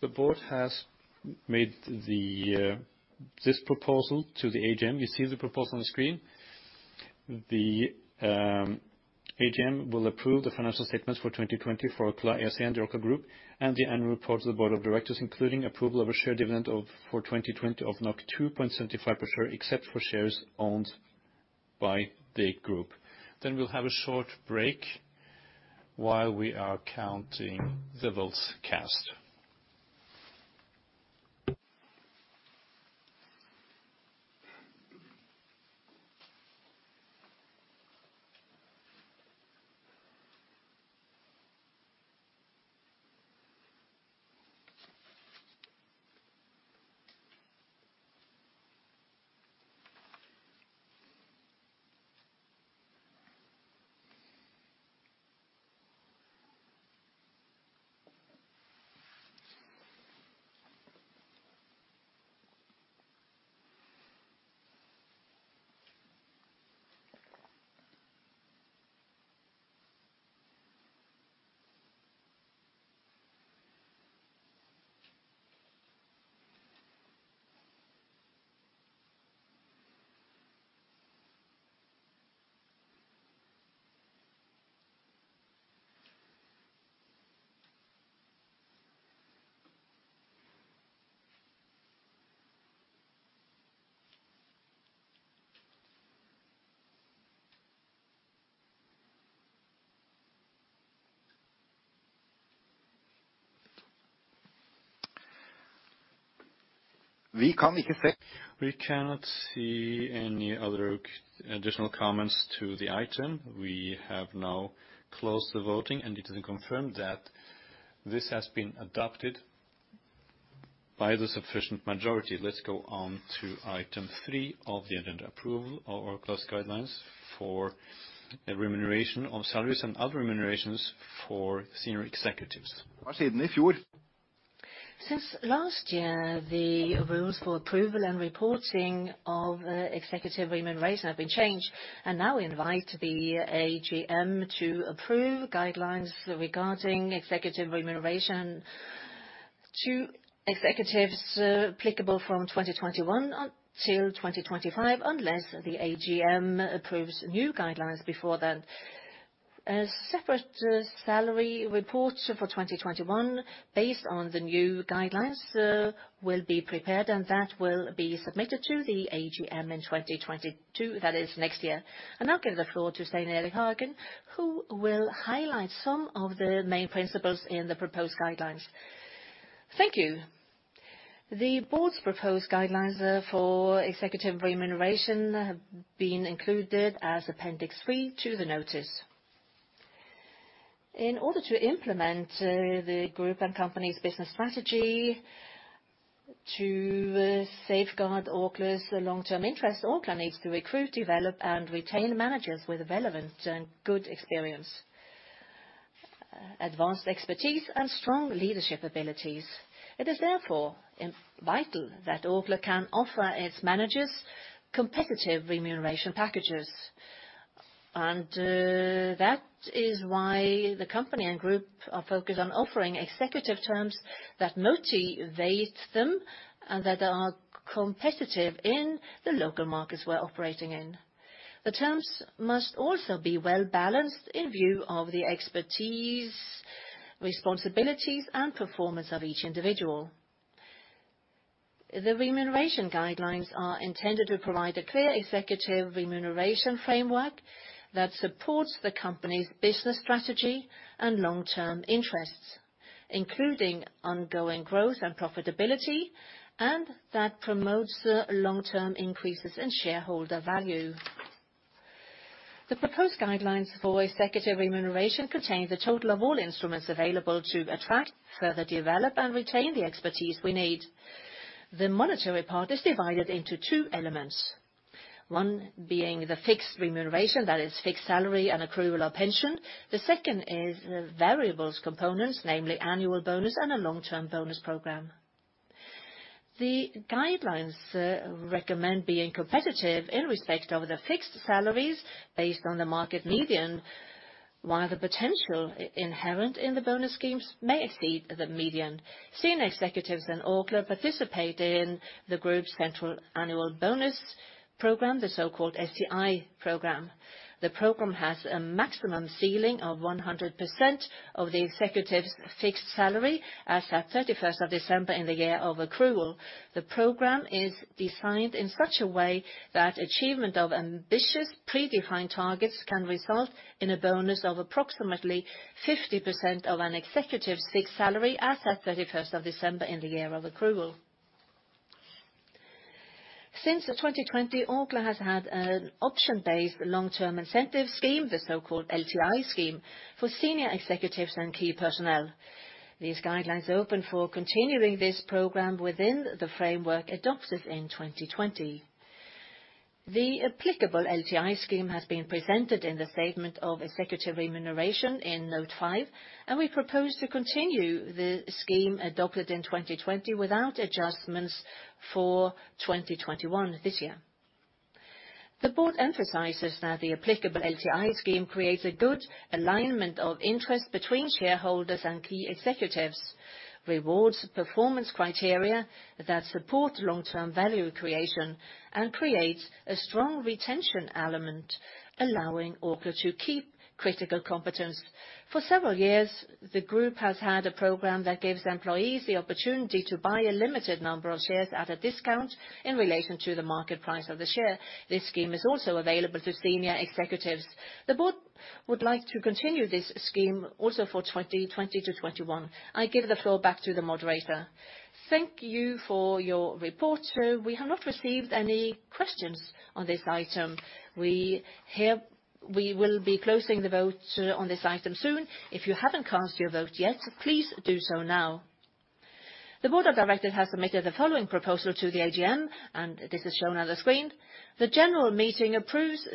The board has made this proposal to the AGM. You see the proposal on the screen. The AGM will approve the financial statements for 2020 for Orkla ASA and the Orkla Group, and the annual report to the board of directors, including approval of a share dividend of, for 2020 of 2.75 per share, except for shares owned by the group. Then we'll have a short break while we are counting the votes cast. We cannot see any other additional comments to the item. We have now closed the voting, and it is confirmed that this has been adopted by the sufficient majority. Let's go on to item three of the agenda, approval of Orkla's guidelines for the remuneration of salaries and other remunerations for senior executives. Since last year, the rules for approval and reporting of executive remuneration have been changed, and now we invite the AGM to approve guidelines regarding executive remuneration to executives applicable from twenty twenty-one until twenty twenty-five, unless the AGM approves new guidelines before then. A separate salary report for twenty twenty-one, based on the new guidelines, will be prepared, and that will be submitted to the AGM in twenty twenty-two, that is next year. I now give the floor to Stein Erik Hagen, who will highlight some of the main principles in the proposed guidelines. Thank you. The board's proposed guidelines for executive remuneration have been included as Appendix three to the notice. In order to implement the group and company's business strategy to safeguard Orkla's long-term interests, Orkla needs to recruit, develop, and retain managers with relevant and good experience, advanced expertise, and strong leadership abilities. It is therefore vital that Orkla can offer its managers competitive remuneration packages, and that is why the company and group are focused on offering executive terms that motivate them and that are competitive in the local markets we're operating in. The terms must also be well-balanced in view of the expertise, responsibilities, and performance of each individual. The remuneration guidelines are intended to provide a clear executive remuneration framework that supports the company's business strategy and long-term interests, including ongoing growth and profitability, and that promotes the long-term increases in shareholder value. The proposed guidelines for executive remuneration contain the total of all instruments available to attract, further develop, and retain the expertise we need. The monetary part is divided into two elements, one being the fixed remuneration, that is fixed salary and accrual or pension. The second is the variable components, namely annual bonus and a long-term bonus program. The guidelines recommend being competitive in respect of the fixed salaries based on the market median, while the potential inherent in the bonus schemes may exceed the median. Senior executives in Orkla participate in the group's central annual bonus program, the so-called STI program. The program has a maximum ceiling of 100% of the executive's fixed salary as at thirty-first of December in the year of accrual. The program is designed in such a way that achievement of ambitious, predefined targets can result in a bonus of approximately 50% of an executive's fixed salary as at thirty-first of December in the year of accrual. Since 2020, Orkla has had an option-based long-term incentive scheme, the so-called LTI scheme, for senior executives and key personnel. These guidelines are open for continuing this program within the framework adopted in 2020. The applicable LTI scheme has been presented in the statement of executive remuneration in Note 5, and we propose to continue the scheme adopted in 2020 without adjustments for 2021, this year. The board emphasizes that the applicable LTI scheme creates a good alignment of interests between shareholders and key executives, rewards performance criteria that support long-term value creation, and creates a strong retention element, allowing Orkla to keep critical competence. For several years, the group has had a program that gives employees the opportunity to buy a limited number of shares at a discount in relation to the market price of the share. This scheme is also available to senior executives. The board would like to continue this scheme also for 2020 to 2021. I give the floor back to the moderator. Thank you for your report. We have not received any questions on this item. We will be closing the vote on this item soon. If you haven't cast your vote yet, please do so now. The board of directors has submitted the following proposal to the AGM, and this is shown on the screen. The general meeting approves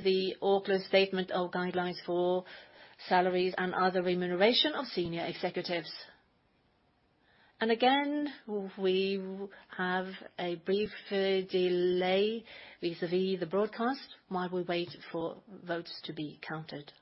Orkla's statement of guidelines for salaries and other remuneration of senior executives. And again, we will have a brief delay vis-à-vis the broadcast while we wait for votes to be counted.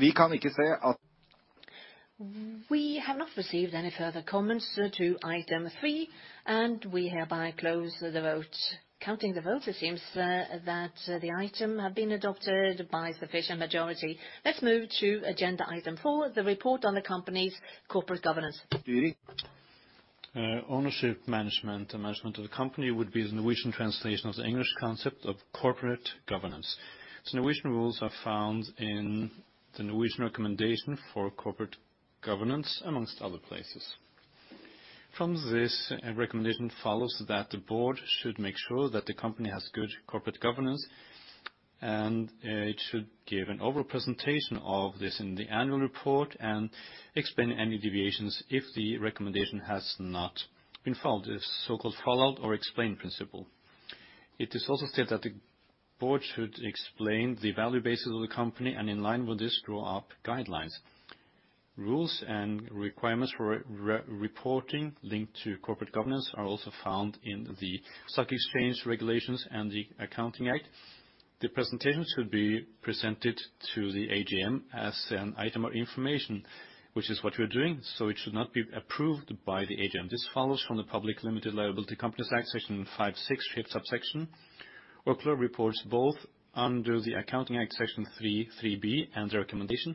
We have not received any further comments to item three, and we hereby close the vote. Counting the vote, it seems that the item have been adopted by sufficient majority. Let's move to agenda item four, the report on the company's corporate governance. Ownership management and management of the company would be the Norwegian translation of the English concept of corporate governance. So Norwegian rules are found in the Norwegian Recommendation for Corporate Governance, among other places. From this, a recommendation follows that the board should make sure that the company has good corporate governance, and it should give an overall presentation of this in the annual report and explain any deviations if the recommendation has not been followed, this so-called follow or explain principle. It is also said that the board should explain the value basis of the company, and in line with this, draw up guidelines. Rules and requirements for reporting linked to corporate governance are also found in the Stock Exchange Regulations and the Accounting Act. The presentations should be presented to the AGM as an item of information, which is what we're doing, so it should not be approved by the AGM. This follows from the Public Limited Liability Companies Act, section five-six, fifth subsection. Orkla reports both under the Accounting Act, section three, three-B, and the recommendation,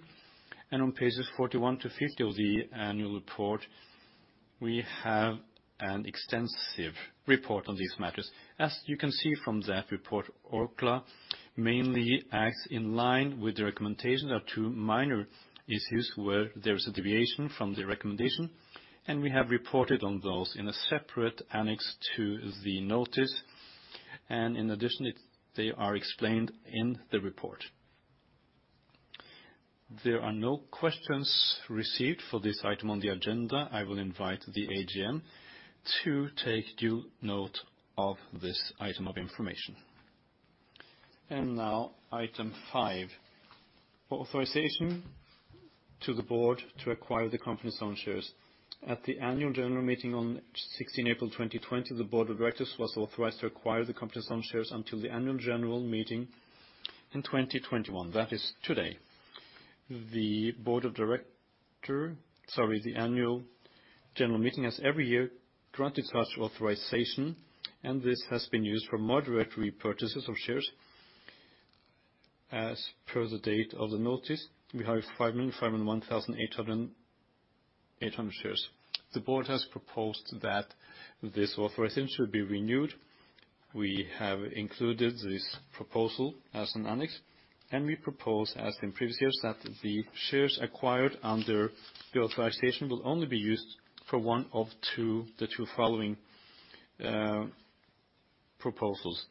and on pages 41 to 50 of the annual report, we have an extensive report on these matters. As you can see from that report, Orkla mainly acts in line with the recommendation. There are two minor issues where there's a deviation from the recommendation, and we have reported on those in a separate annex to the notice, and in addition, it, they are explained in the report. There are no questions received for this item on the agenda. I will invite the AGM to take due note of this item of information. Now item five, authorization to the board to acquire the company's own shares. At the Annual General Meeting on sixteenth April 2020, the board of directors was authorized to acquire the company's own shares until the Annual General Meeting in 2021, that is today. Sorry, the Annual General Meeting, as every year, granted such authorization, and this has been used for moderate repurchases of shares. As per the date of the notice, we have five million, five hundred and one thousand, eight hundred shares. The board has proposed that this authorization should be renewed. We have included this proposal as an annex, and we propose, as in previous years, that the shares acquired under the authorization will only be used for one of two, the two following proposals.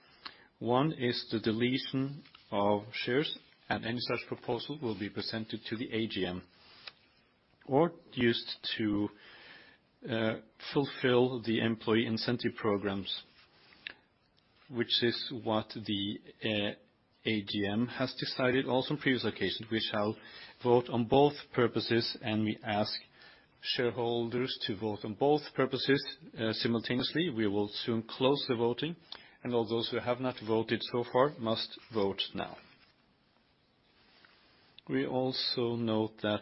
One is the deletion of shares, and any such proposal will be presented to the AGM, or used to fulfill the employee incentive programs, which is what the AGM has decided also on previous occasions. We shall vote on both purposes, and we ask shareholders to vote on both purposes simultaneously. We will soon close the voting, and all those who have not voted so far must vote now. We also note that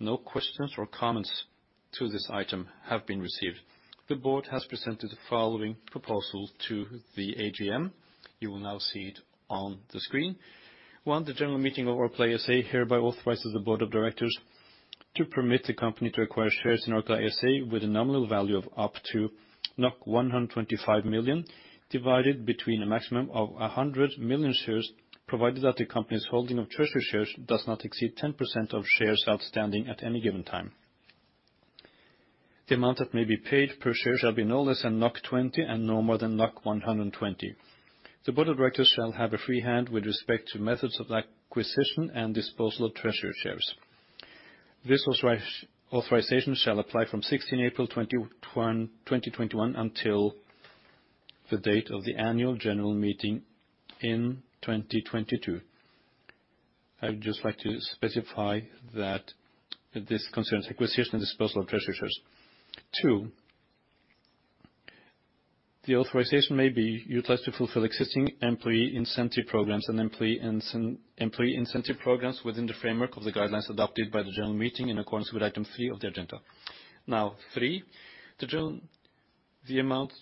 no questions or comments to this item have been received. The board has presented the following proposal to the AGM. You will now see it on the screen. One, the Annual General Meeting of Orkla ASA hereby authorizes the board of directors to permit the company to acquire shares in Orkla ASA with a nominal value of up to 125 million, divided between a maximum of 100 million shares, provided that the company's holding of treasury shares does not exceed 10% of shares outstanding at any given time. The amount that may be paid per share shall be no less than 20 and no more than 120. The board of directors shall have a free hand with respect to methods of acquisition and disposal of treasury shares. This authorization shall apply from 16 April 2021 until the date of the Annual General Meeting in 2022. I would just like to specify that this concerns acquisition and disposal of treasury shares. Two, the authorization may be utilized to fulfill existing employee incentive programs within the framework of the guidelines adopted by the general meeting in accordance with item three of the agenda. Now, three, the general. The amount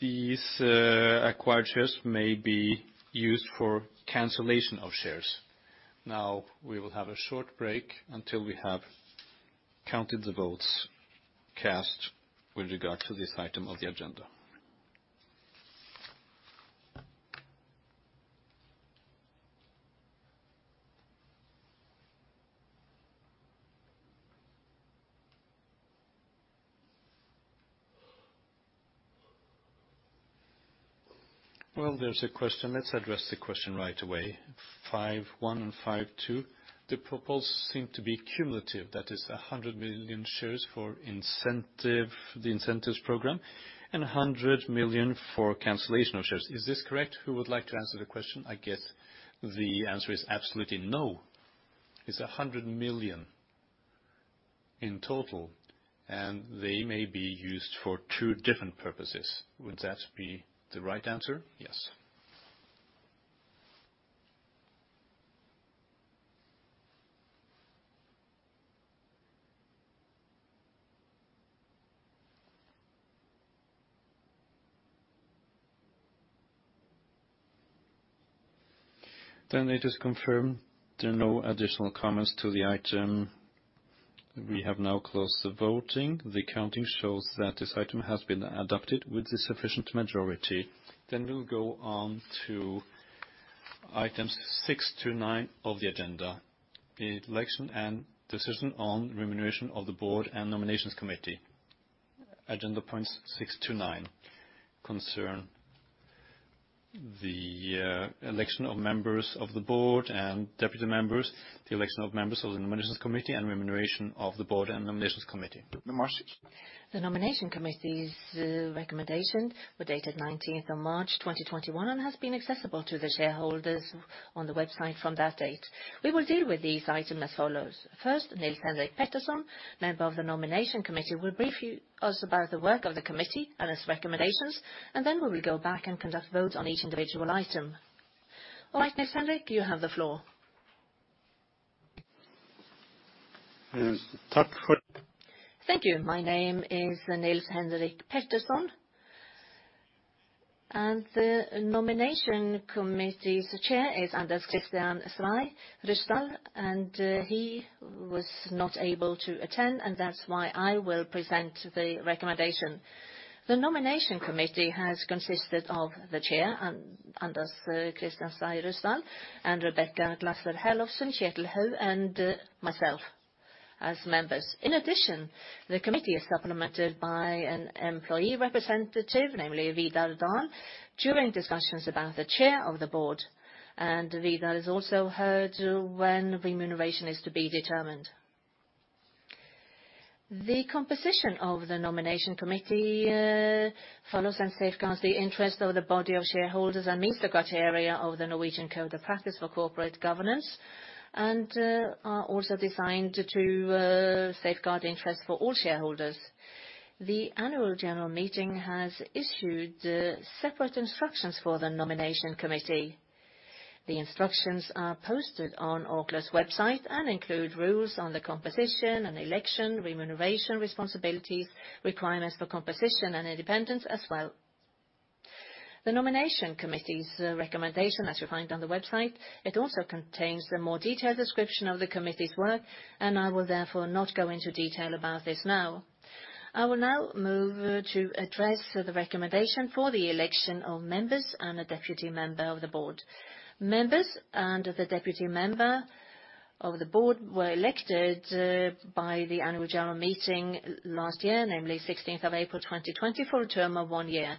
these acquired shares may be used for cancellation of shares. Now, we will have a short break until we have counted the votes cast with regard to this item of the agenda. Well, there's a question. Let's address the question right away. Five, one and five, two. The proposals seem to be cumulative. That is 100 million shares for the incentives program, and 100 million for cancellation of shares. Is this correct? Who would like to answer the question? I guess the answer is absolutely no. It's 100 million in total, and they may be used for two different purposes. Would that be the right answer? Yes. Then it is confirmed there are no additional comments to the item. We have now closed the voting. The counting shows that this item has been adopted with the sufficient majority. Then we'll go on to items six to nine of the agenda, the election and decision on remuneration of the board and nominations committee. Agenda points six to nine concern the election of members of the board and deputy members, the election of members of the nominations committee, and remuneration of the board and nominations committee. The nomination committee's recommendation were dated nineteenth of March 2021, and has been accessible to the shareholders on the website from that date. We will deal with these items as follows: First, Nils-Henrik Pettersson, member of the nomination committee, will brief us about the work of the committee and its recommendations, and then we will go back and conduct votes on each individual item. All right, Nils-Henrik, you have the floor. Thank you. My name is Nils-Henrik Pettersson, and the nomination committee's chair is Anders Christian Stray Ryssdal, and he was not able to attend, and that's why I will present the recommendation. The nomination committee has consisted of the chair, Anders Christian Stray Ryssdal, and Rebekka Glasser Herlofsen, Kjetil Houg, and myself as members. In addition, the committee is supplemented by an employee representative, namely Vidar Dahl, during discussions about the chair of the board. Vidar is also heard when remuneration is to be determined. The composition of the Nomination Committee follows and safeguards the interest of the body of shareholders and meets the criteria of the Norwegian Code of Practice for Corporate Governance, and are also designed to safeguard the interest for all shareholders. The Annual General Meeting has issued separate instructions for the Nomination Committee. The instructions are posted on Orkla's website and include rules on the composition and election, remuneration, responsibilities, requirements for composition, and independence as well. The Nomination Committee's recommendation, as you find on the website, it also contains the more detailed description of the committee's work, and I will therefore not go into detail about this now. I will now move to address the recommendation for the election of members and a deputy member of the Board. Members and the deputy member of the Board were elected by the Annual General Meeting last year, namely sixteenth of April twenty twenty, for a term of one year.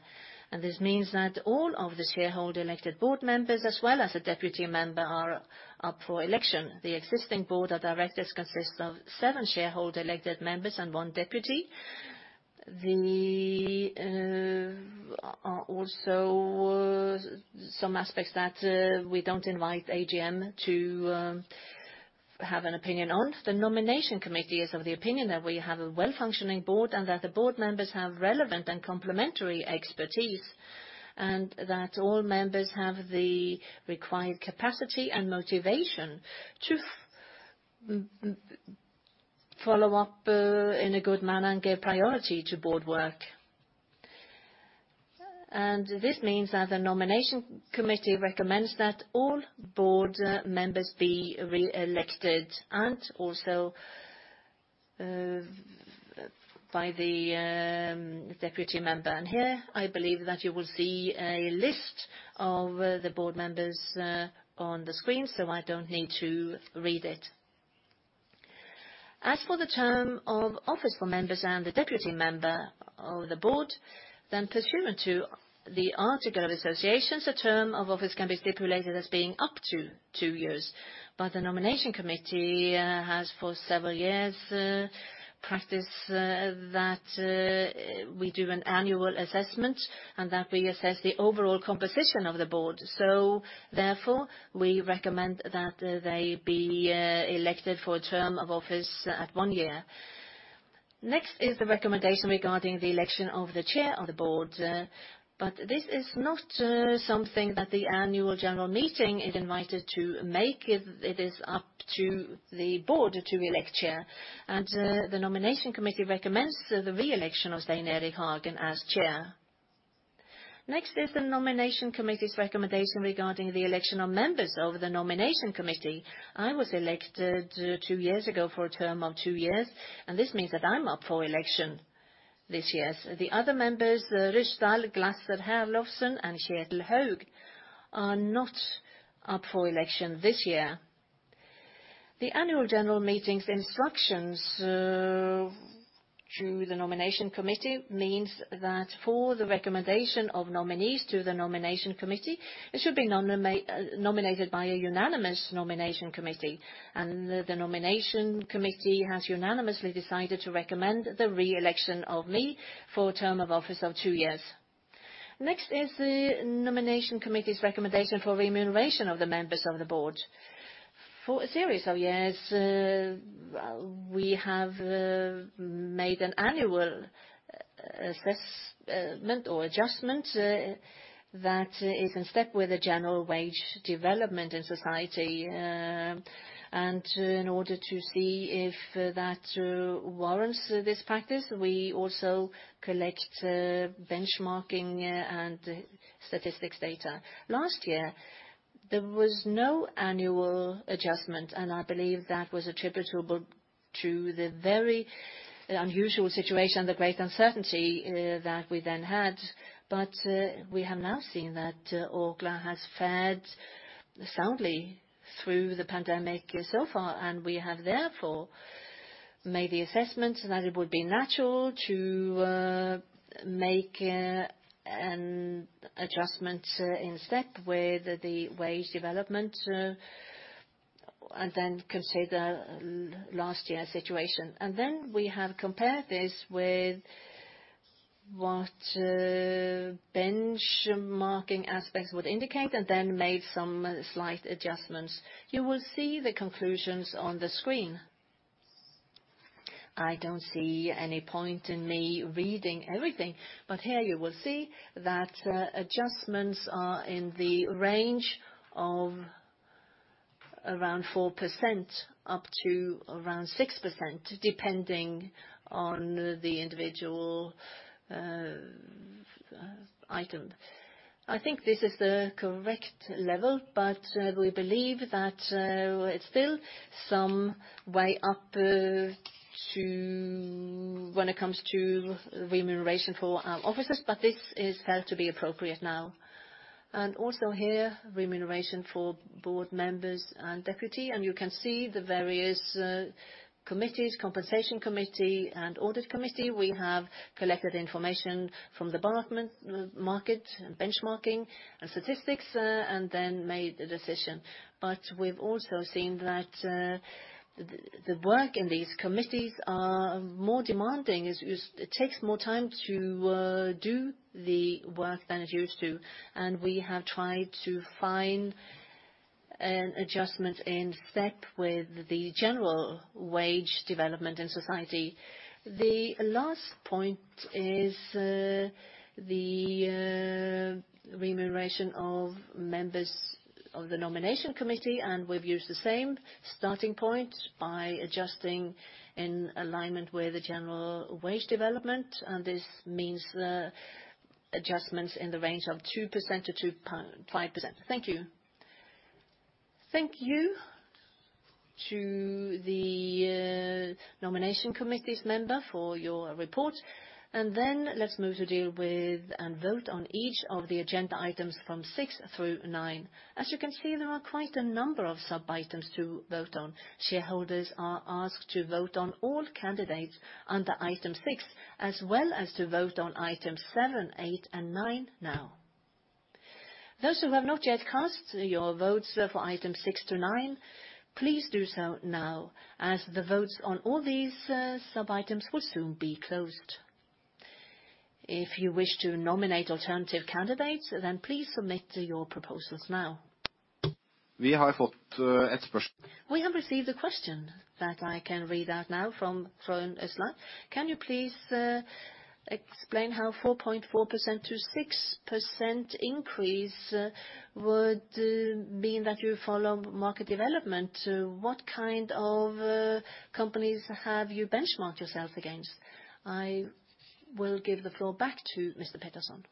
This means that all of the shareholder-elected Board members, as well as the deputy member, are up for election. The existing Board of Directors consists of seven shareholder-elected members and one deputy. There are also some aspects that we don't invite AGM to have an opinion on. The Nomination Committee is of the opinion that we have a well-functioning board, and that the board members have relevant and complementary expertise, and that all members have the required capacity and motivation to follow up in a good manner and give priority to board work. This means that the Nomination Committee recommends that all board members be re-elected and also by the deputy member. Here, I believe that you will see a list of the board members on the screen, so I don't need to read it. As for the term of office for members and the deputy member of the board, then pursuant to the Articles of Association, the term of office can be stipulated as being up to two years. But the Nomination Committee has, for several years, practiced that we do an annual assessment and that we assess the overall composition of the board. Therefore, we recommend that they be elected for a term of office at one year. Next is the recommendation regarding the election of the chair of the board, but this is not something that the annual general meeting is invited to make. It is up to the board to elect chair, and the nomination committee recommends the re-election of Stein Erik Hagen as chair. Next is the nomination committee's recommendation regarding the election of members of the nomination committee. I was elected two years ago for a term of two years, and this means that I'm up for election this year. The other members, Ryssdal, Glasser Herlofsen, and Kjetil Houg, are not up for election this year. The annual general meeting's instructions to the nomination committee means that for the recommendation of nominees to the nomination committee, it should be nominated by a unanimous nomination committee. The nomination committee has unanimously decided to recommend the re-election of me for a term of office of two years. Next is the nomination committee's recommendation for remuneration of the members of the board. For a series of years, we have made an annual assessment or adjustment that is in step with the general wage development in society, and in order to see if that warrants this practice, we also collect benchmarking and statistics data. Last year, there was no annual adjustment, and I believe that was attributable to the very unusual situation, the great uncertainty that we then had. But we have now seen that Orkla has fared soundly through the pandemic so far, and we have therefore made the assessment that it would be natural to make an adjustment in step with the wage development and then consider last year's situation, and then we have compared this with what benchmarking aspects would indicate, and then made some slight adjustments. You will see the conclusions on the screen. I don't see any point in me reading everything, but here you will see that adjustments are in the range of around 4%, up to around 6%, depending on the individual item. I think this is the correct level, but we believe that it's still some way up to when it comes to remuneration for our officers, but this is felt to be appropriate now. And also here, remuneration for Board members and deputy, and you can see the various committees, Compensation Committee, and Audit Committee. We have collected information from the market, benchmarking and statistics, and then made a decision. But we've also seen that the work in these committees is more demanding. It takes more time to do the work than it used to, and we have tried to find an adjustment in step with the general wage development in society. The last point is the remuneration of members of the Nomination Committee, and we've used the same starting point by adjusting in alignment with the general wage development. And this means the adjustments in the range of 2%-5%. Thank you. Thank you to the Nomination Committee's member for your report. And then let's move to deal with and vote on each of the agenda items from six through nine. As you can see, there are quite a number of sub-items to vote on. Shareholders are asked to vote on all candidates under item six, as well as to vote on items seven, eight, and nine now. Those who have not yet cast your votes for items six to nine, please do so now, as the votes on all these sub-items will soon be closed. If you wish to nominate alternative candidates, then please submit your proposals now. We have got a question. We have received a question that I can read out now from Tor Johan Åslag. Can you please explain how 4.4% to 6% increase would mean that you follow market development? What kind of companies have you benchmarked yourselves against? I will give the floor back to Mr. Pettersson.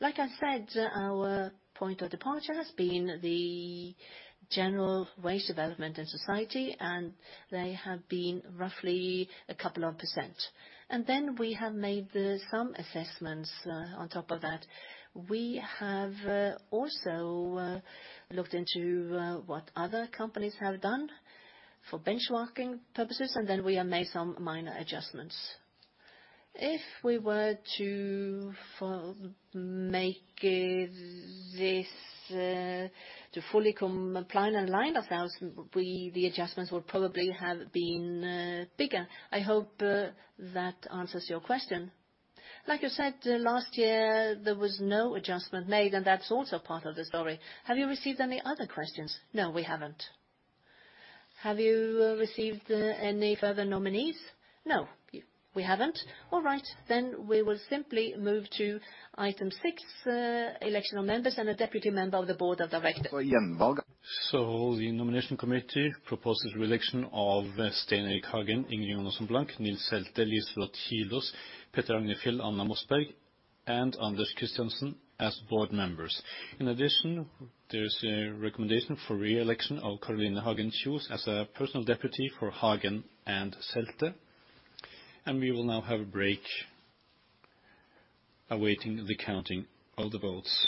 Like I said, our point of departure has been the general wage development in society, and they have been roughly a couple of %. Then we have made some assessments on top of that. We have also looked into what other companies have done for benchmarking purposes, and then we have made some minor adjustments. If we were to make this to fully comply and align ourselves, we, the adjustments would probably have been bigger. I hope that answers your question. Like I said, last year, there was no adjustment made, and that's also part of the story. Have you received any other questions? No, we haven't. Have you received any further nominees? No, we haven't. All right, then we will simply move to item six, election of members and a deputy member of the Board of Directors. The nomination committee proposes reelection of Stein Erik Hagen, Ingrid Jonasson Blank, Nils Selte, Liselott Kilaas, Peter Agnefjäll, Anna Mossberg, and Anders Kristiansen as board members. In addition, there is a recommendation for re-election of Caroline Hagen Kjos as a personal deputy for Hagen and Selte. We will now have a break awaiting the counting of the votes.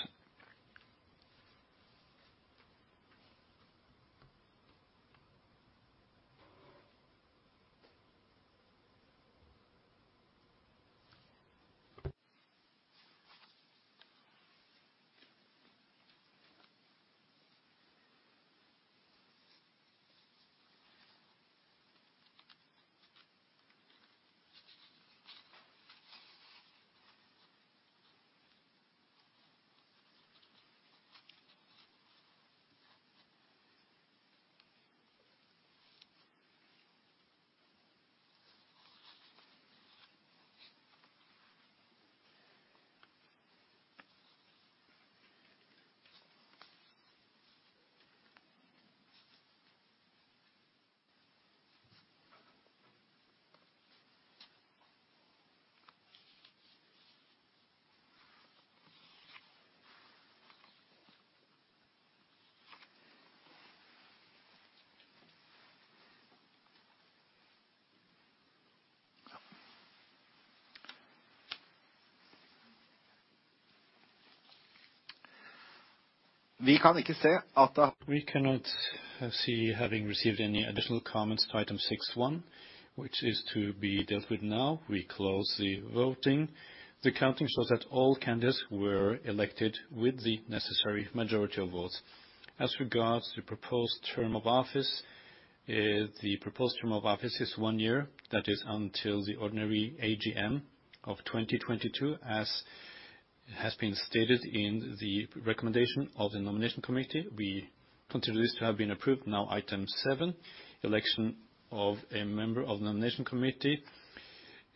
We cannot see having received any additional comments to item six one, which is to be dealt with now. We close the voting. The counting shows that all candidates were elected with the necessary majority of votes. As regards to proposed term of office, the proposed term of office is one year. That is until the ordinary AGM of twenty twenty-two, as has been stated in the recommendation of the nomination committee. We consider this to have been approved. Now, item seven, election of a member of the nomination committee.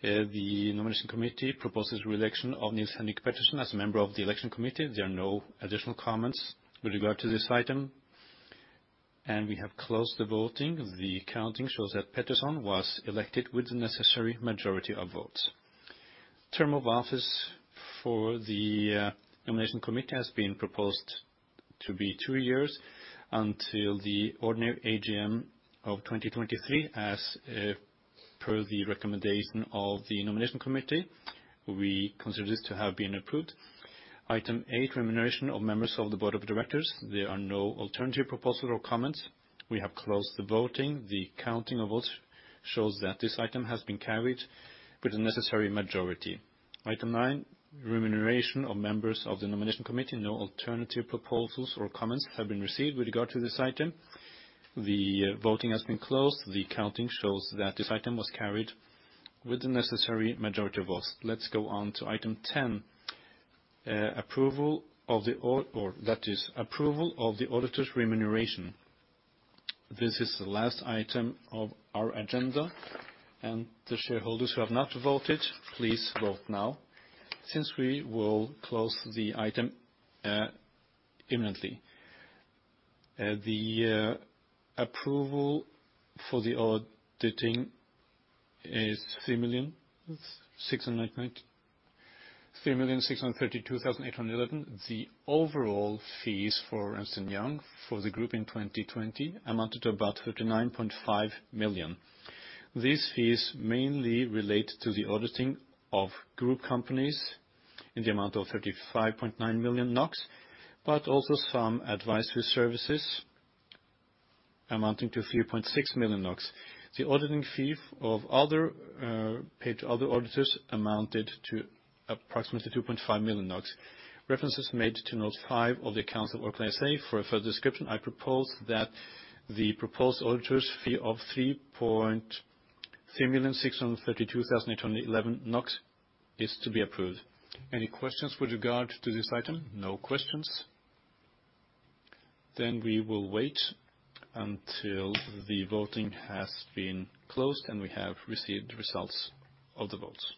The nomination committee proposes reelection of Nils-Henrik Pettersson as a member of the nomination committee. There are no additional comments with regard to this item, and we have closed the voting. The counting shows that Pettersson was elected with the necessary majority of votes. Term of office for the nomination committee has been proposed to be two years until the ordinary AGM of twenty twenty-three, as per the recommendation of the nomination committee. We consider this to have been approved. Item eight, remuneration of members of the board of directors. There are no alternative proposal or comments. We have closed the voting. The counting of votes shows that this item has been carried with the necessary majority. Item nine, remuneration of members of the nomination committee. No alternative proposals or comments have been received with regard to this item. The voting has been closed. The counting shows that this item was carried with the necessary majority of votes. Let's go on to item ten, approval of the auditor's remuneration. This is the last item of our agenda, and the shareholders who have not voted, please vote now, since we will close the item imminently. The approval for the auditing is 3,632,811. The overall fees for Ernst & Young, for the group in 2020, amounted to about 39.5 million. These fees mainly relate to the auditing of group companies in the amount of 35.9 million NOK, but also some advisory services amounting to 3.6 million NOK. The auditing fee of other, paid to other auditors amounted to approximately 2.5 million NOK. References made to note five of the accounts of Orkla ASA. For a further description, I propose that the proposed auditor's fee of 3,632,811 NOK is to be approved. Any questions with regard to this item? No questions. Then we will wait until the voting has been closed, and we have received the results of the votes.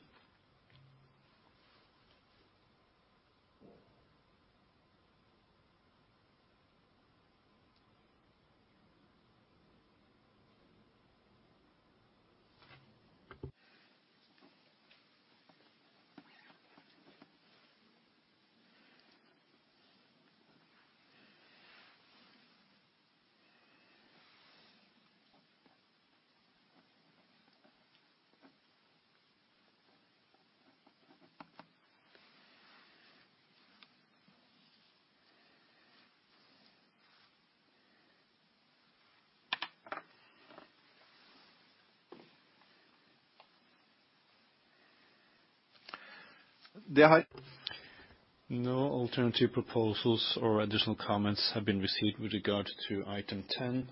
No alternative proposals or additional comments have been received with regard to item 10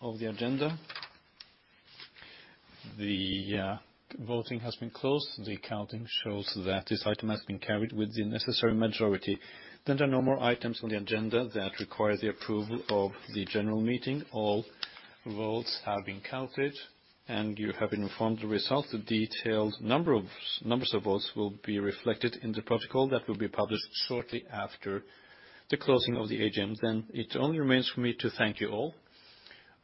of the agenda. The voting has been closed. The counting shows that this item has been carried with the necessary majority. Then there are no more items on the agenda that require the approval of the general meeting. All votes have been counted, and you have been informed the results. The detailed numbers of votes will be reflected in the protocol that will be published shortly after the closing of the AGM. Then it only remains for me to thank you all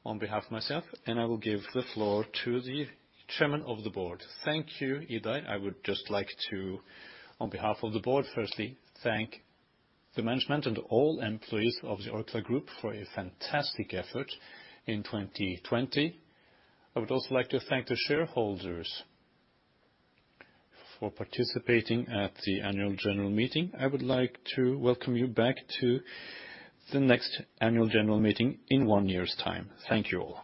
on behalf of myself, and I will give the floor to the chairman of the board. Thank you, Idar. I would just like to, on behalf of the board, firstly, thank the management and all employees of the Orkla Group for a fantastic effort in twenty twenty. I would also like to thank the shareholders for participating at the annual general meeting. I would like to welcome you back to the next Annual General Meeting in one year's time. Thank you all.